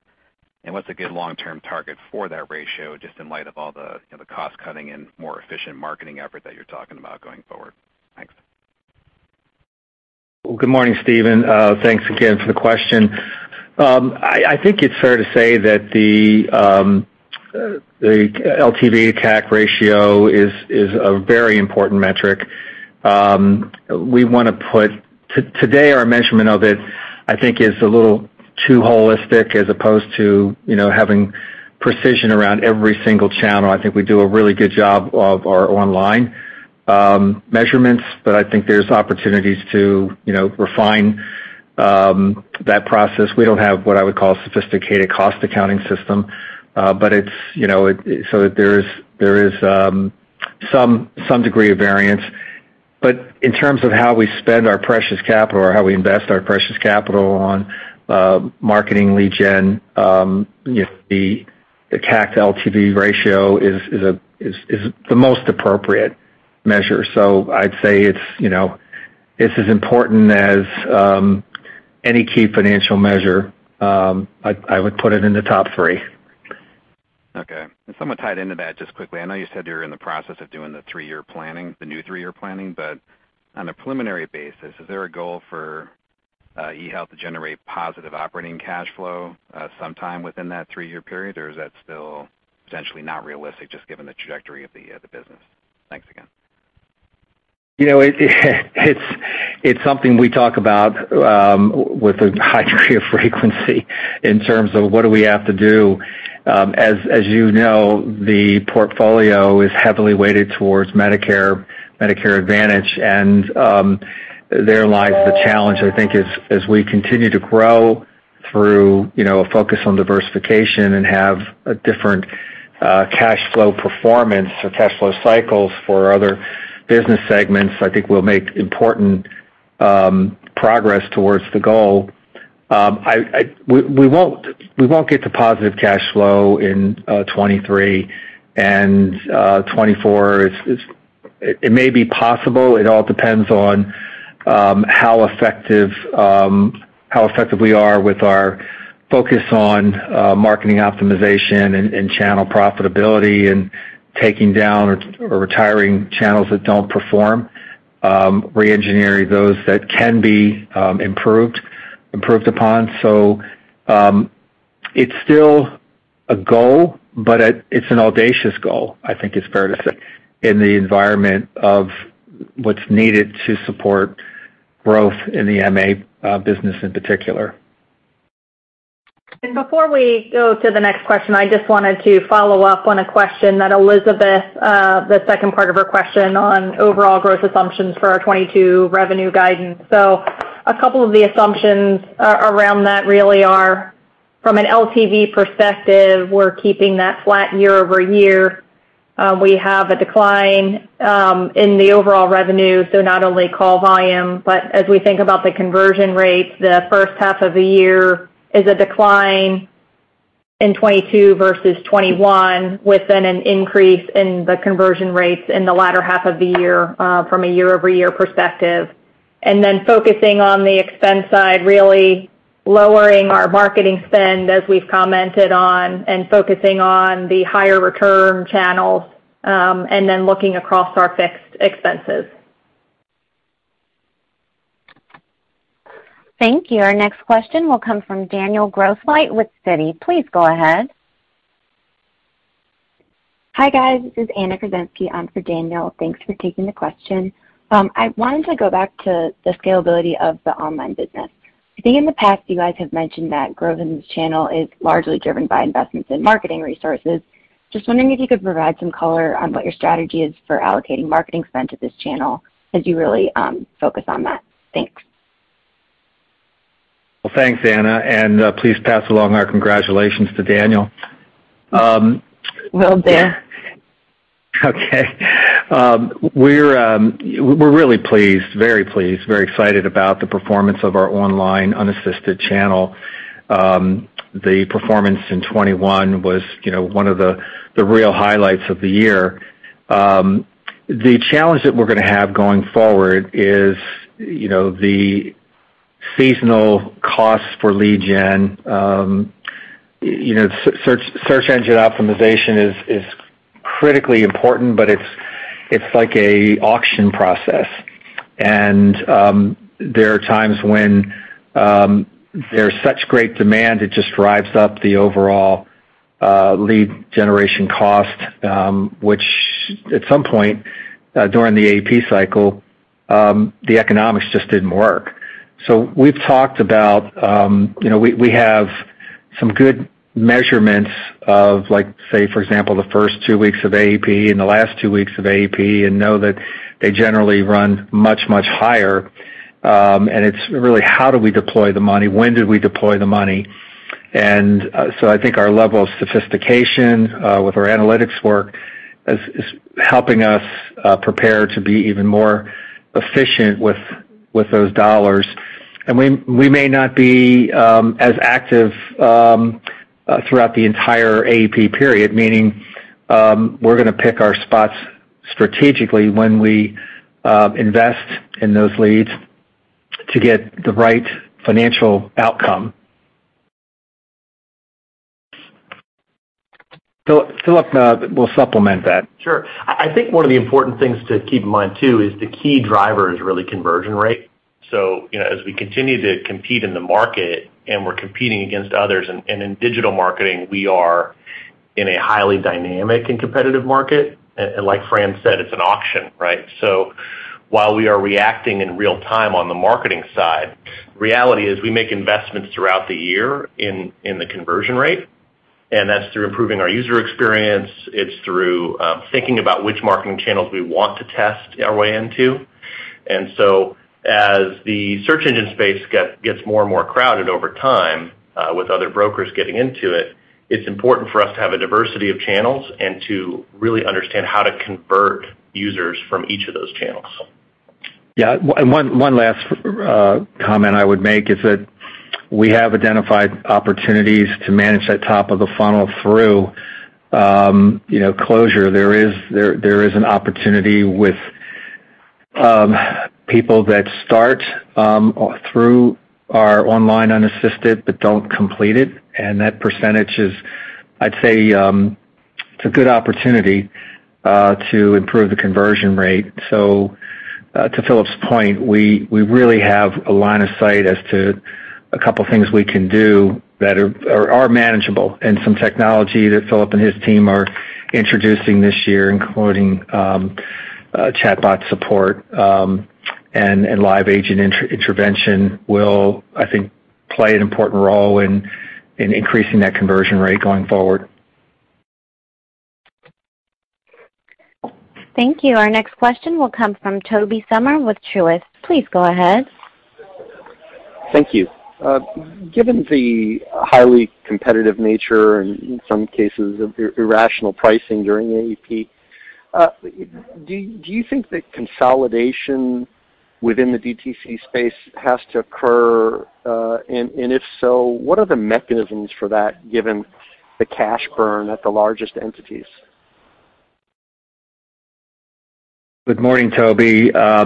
S8: What's a good long-term target for that ratio, just in light of all the, you know, the cost cutting and more efficient marketing effort that you're talking about going forward? Thanks.
S3: Well, good morning, Steven. Thanks again for the question. I think it's fair to say that the LTV to CAC ratio is a very important metric. We want to, today, our measurement of it, I think is a little too holistic as opposed to, you know, having precision around every single channel. I think we do a really good job of our online measurements, but I think there's opportunities to, you know, refine that process. We don't have what I would call a sophisticated cost accounting system, but it's, you know, so there is some degree of variance. In terms of how we spend our precious capital or how we invest our precious capital on marketing lead gen, you know, the CAC LTV ratio is the most appropriate measure. I'd say it's, you know, it's as important as any key financial measure. I would put it in the top three.
S8: Okay. Somewhat tied into that just quickly. I know you said you're in the process of doing the three-year planning, the new three-year planning, but on a preliminary basis, is there a goal for eHealth generate positive operating cash flow sometime within that three-year period, or is that still potentially not realistic just given the trajectory of the business? Thanks again.
S3: You know, it's something we talk about with a high degree of frequency in terms of what do we have to do. As you know, the portfolio is heavily weighted towards Medicare Advantage, and there lies the challenge, I think, as we continue to grow through, you know, a focus on diversification and have a different cash flow performance or cash flow cycles for other business segments, I think we'll make important progress towards the goal. We won't get to positive cash flow in 2023, and in 2024 it may be possible. It all depends on how effective we are with our focus on marketing optimization and channel profitability and taking down or retiring channels that don't perform, re-engineering those that can be improved upon. It's still a goal, but it's an audacious goal, I think it's fair to say, in the environment of what's needed to support growth in the MA business in particular.
S4: Before we go to the next question, I just wanted to follow up on a question that Elizabeth, the second part of her question on overall growth assumptions for our 2022 revenue guidance. A couple of the assumptions around that really are from an LTV perspective, we're keeping that flat year-over-year. We have a decline in the overall revenue, so not only call volume, but as we think about the conversion rates, the first half of the year is a decline in 2022 versus 2021, with then an increase in the conversion rates in the latter half of the year, from a year-over-year perspective. Focusing on the expense side, really lowering our marketing spend as we've commented on, and focusing on the higher return channels, and then looking across our fixed expenses.
S1: Thank you. Our next question will come from Daniel Grosslight with Citi. Please go ahead.
S9: Hi, guys. This is Anna Kruszenski on for Daniel. Thanks for taking the question. I wanted to go back to the scalability of the online business. I think in the past you guys have mentioned that growth in this channel is largely driven by investments in marketing resources. Just wondering if you could provide some color on what your strategy is for allocating marketing spend to this channel as you really focus on that. Thanks.
S3: Well, thanks, Anna, and please pass along our congratulations to Daniel.
S9: Will do.
S3: Okay. We're really pleased, very pleased, very excited about the performance of our online unassisted channel. The performance in 2021 was, you know, one of the real highlights of the year. The challenge that we're gonna have going forward is, you know, the seasonal costs for lead gen. You know, search engine optimization is critically important, but it's like an auction process. There are times when there's such great demand, it just drives up the overall lead generation cost, which at some point during the AEP cycle, the economics just didn't work. We've talked about, you know, we have some good measurements of like, say for example, the first two weeks of AEP and the last two weeks of AEP, and know that they generally run much higher. It's really how do we deploy the money? When do we deploy the money? So I think our level of sophistication with our analytics work is helping us prepare to be even more efficient with those dollars. We may not be as active throughout the entire AEP period, meaning we're gonna pick our spots strategically when we invest in those leads to get the right financial outcome. Phillip will supplement that.
S10: Sure. I think one of the important things to keep in mind too is the key driver is really conversion rate. You know, as we continue to compete in the market, and we're competing against others, and in digital marketing, we are in a highly dynamic and competitive market. Like Fran said, it's an auction, right? While we are reacting in real time on the marketing side, reality is we make investments throughout the year in the conversion rate, and that's through improving our user experience. It's through thinking about which marketing channels we want to test our way into As the search engine space gets more and more crowded over time, with other brokers getting into it's important for us to have a diversity of channels and to really understand how to convert users from each of those channels.
S3: Yeah. One last comment I would make is that we have identified opportunities to manage that top of the funnel through, you know, closure. There is an opportunity with people that start through our online unassisted but don't complete it, and that percentage is, I'd say, it's a good opportunity to improve the conversion rate. To Phillip's point, we really have a line of sight as to a couple of things we can do that are manageable, and some technology that Phillip and his team are introducing this year, including chatbot support, and live agent inter-intervention will, I think, play an important role in increasing that conversion rate going forward.
S1: Thank you. Our next question will come from Tobey Sommer with Truist. Please go ahead.
S11: Thank you. Given the highly competitive nature and in some cases, irrational pricing during the AEP, do you think that consolidation within the DTC space has to occur? If so, what are the mechanisms for that given the cash burn at the largest entities?
S3: Good morning, Tobey. I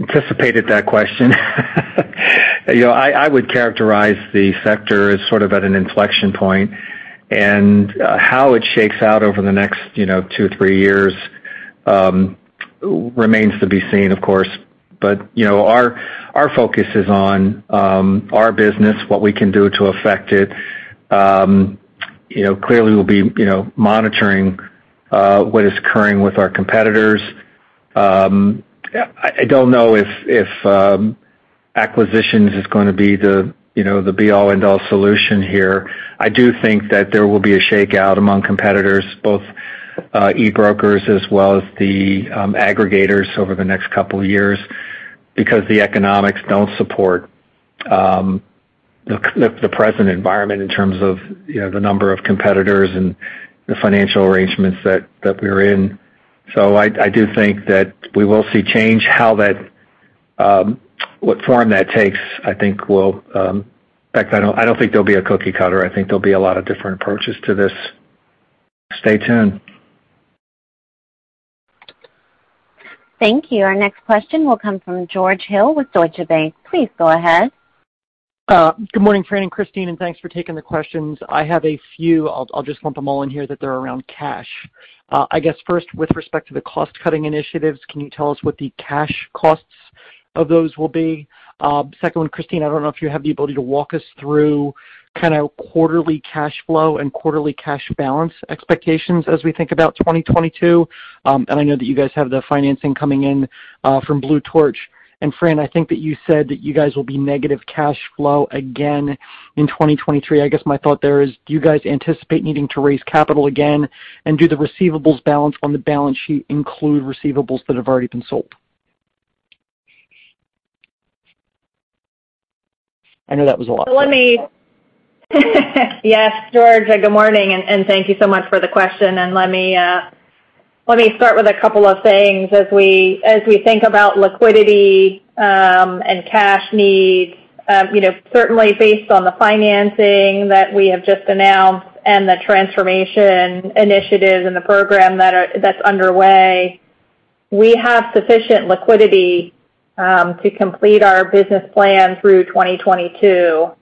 S3: anticipated that question. You know, I would characterize the sector as sort of at an inflection point and how it shakes out over the next tow, three years remains to be seen, of course. You know, our focus is on our business, what we can do to affect it. You know, clearly, we'll be monitoring what is occurring with our competitors. I don't know if acquisitions is gonna be the be-all and end-all solution here. I do think that there will be a shakeout among competitors, both e-brokers as well as the aggregators over the next couple of years because the economics don't support the present environment in terms of, you know, the number of competitors and the financial arrangements that we're in. I do think that we will see change. How that what form that takes, I think will. In fact, I don't think there'll be a cookie cutter. I think there'll be a lot of different approaches to this. Stay tuned.
S1: Thank you. Our next question will come from George Hill with Deutsche Bank. Please go ahead.
S12: Good morning, Fran and Christine, and thanks for taking the questions. I have a few. I'll just lump them all in here that they're around cash. I guess first, with respect to the cost-cutting initiatives, can you tell us what the cash costs of those will be? Second one, Christine, I don't know if you have the ability to walk us through kinda quarterly cash flow and quarterly cash balance expectations as we think about 2022. I know that you guys have the financing coming in from Blue Torch. Fran, I think that you said that you guys will be negative cash flow again in 2023. I guess my thought there is, do you guys anticipate needing to raise capital again? And do the receivables balance on the balance sheet include receivables that have already been sold? I know that was a lot.
S4: Yes, George, good morning, and thank you so much for the question. Let me start with a couple of things. As we think about liquidity and cash needs, you know, certainly based on the financing that we have just announced and the transformation initiatives and the program that's underway, we have sufficient liquidity to complete our business plan through 2022. You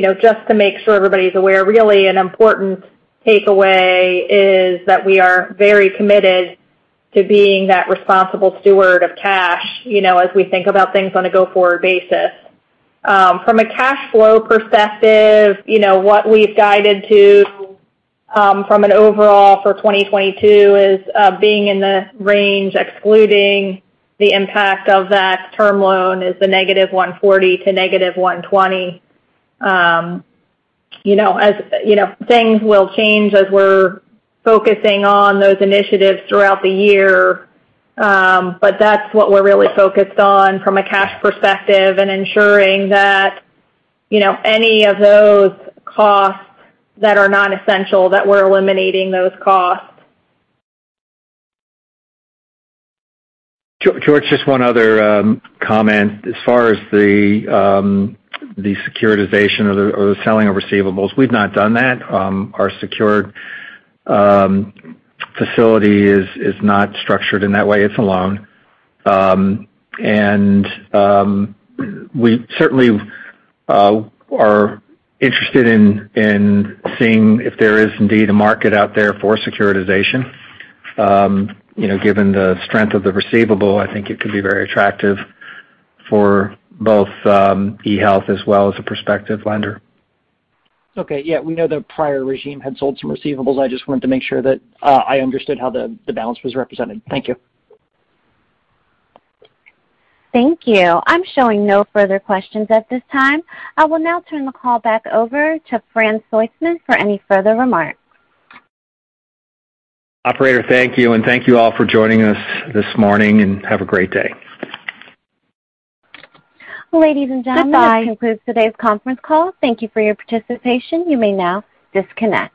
S4: know, just to make sure everybody's aware, really an important takeaway is that we are very committed to being that responsible steward of cash, you know, as we think about things on a go-forward basis. From a cash flow perspective, you know, what we've guided to from an overall for 2022 is being in the range excluding the impact of that term loan is -$140 to -$120. You know, as you know, things will change as we're focusing on those initiatives throughout the year. But that's what we're really focused on from a cash perspective and ensuring that, you know, any of those costs that are non-essential that we're eliminating those costs.
S3: George, just one other comment. As far as the securitization or the selling of receivables, we've not done that. Our secured facility is not structured in that way. It's a loan. We certainly are interested in seeing if there is indeed a market out there for securitization. You know, given the strength of the receivable, I think it could be very attractive for both eHealth as well as a prospective lender.
S12: Okay. Yeah, we know the prior regime had sold some receivables. I just wanted to make sure that I understood how the balance was represented. Thank you.
S1: Thank you. I'm showing no further questions at this time. I will now turn the call back over to Fran Soistman for any further remarks.
S3: Operator, thank you, and thank you all for joining us this morning, and have a great day.
S1: Ladies and gentlemen.
S4: Goodbye.
S1: This concludes today's conference call. Thank you for your participation. You may now disconnect.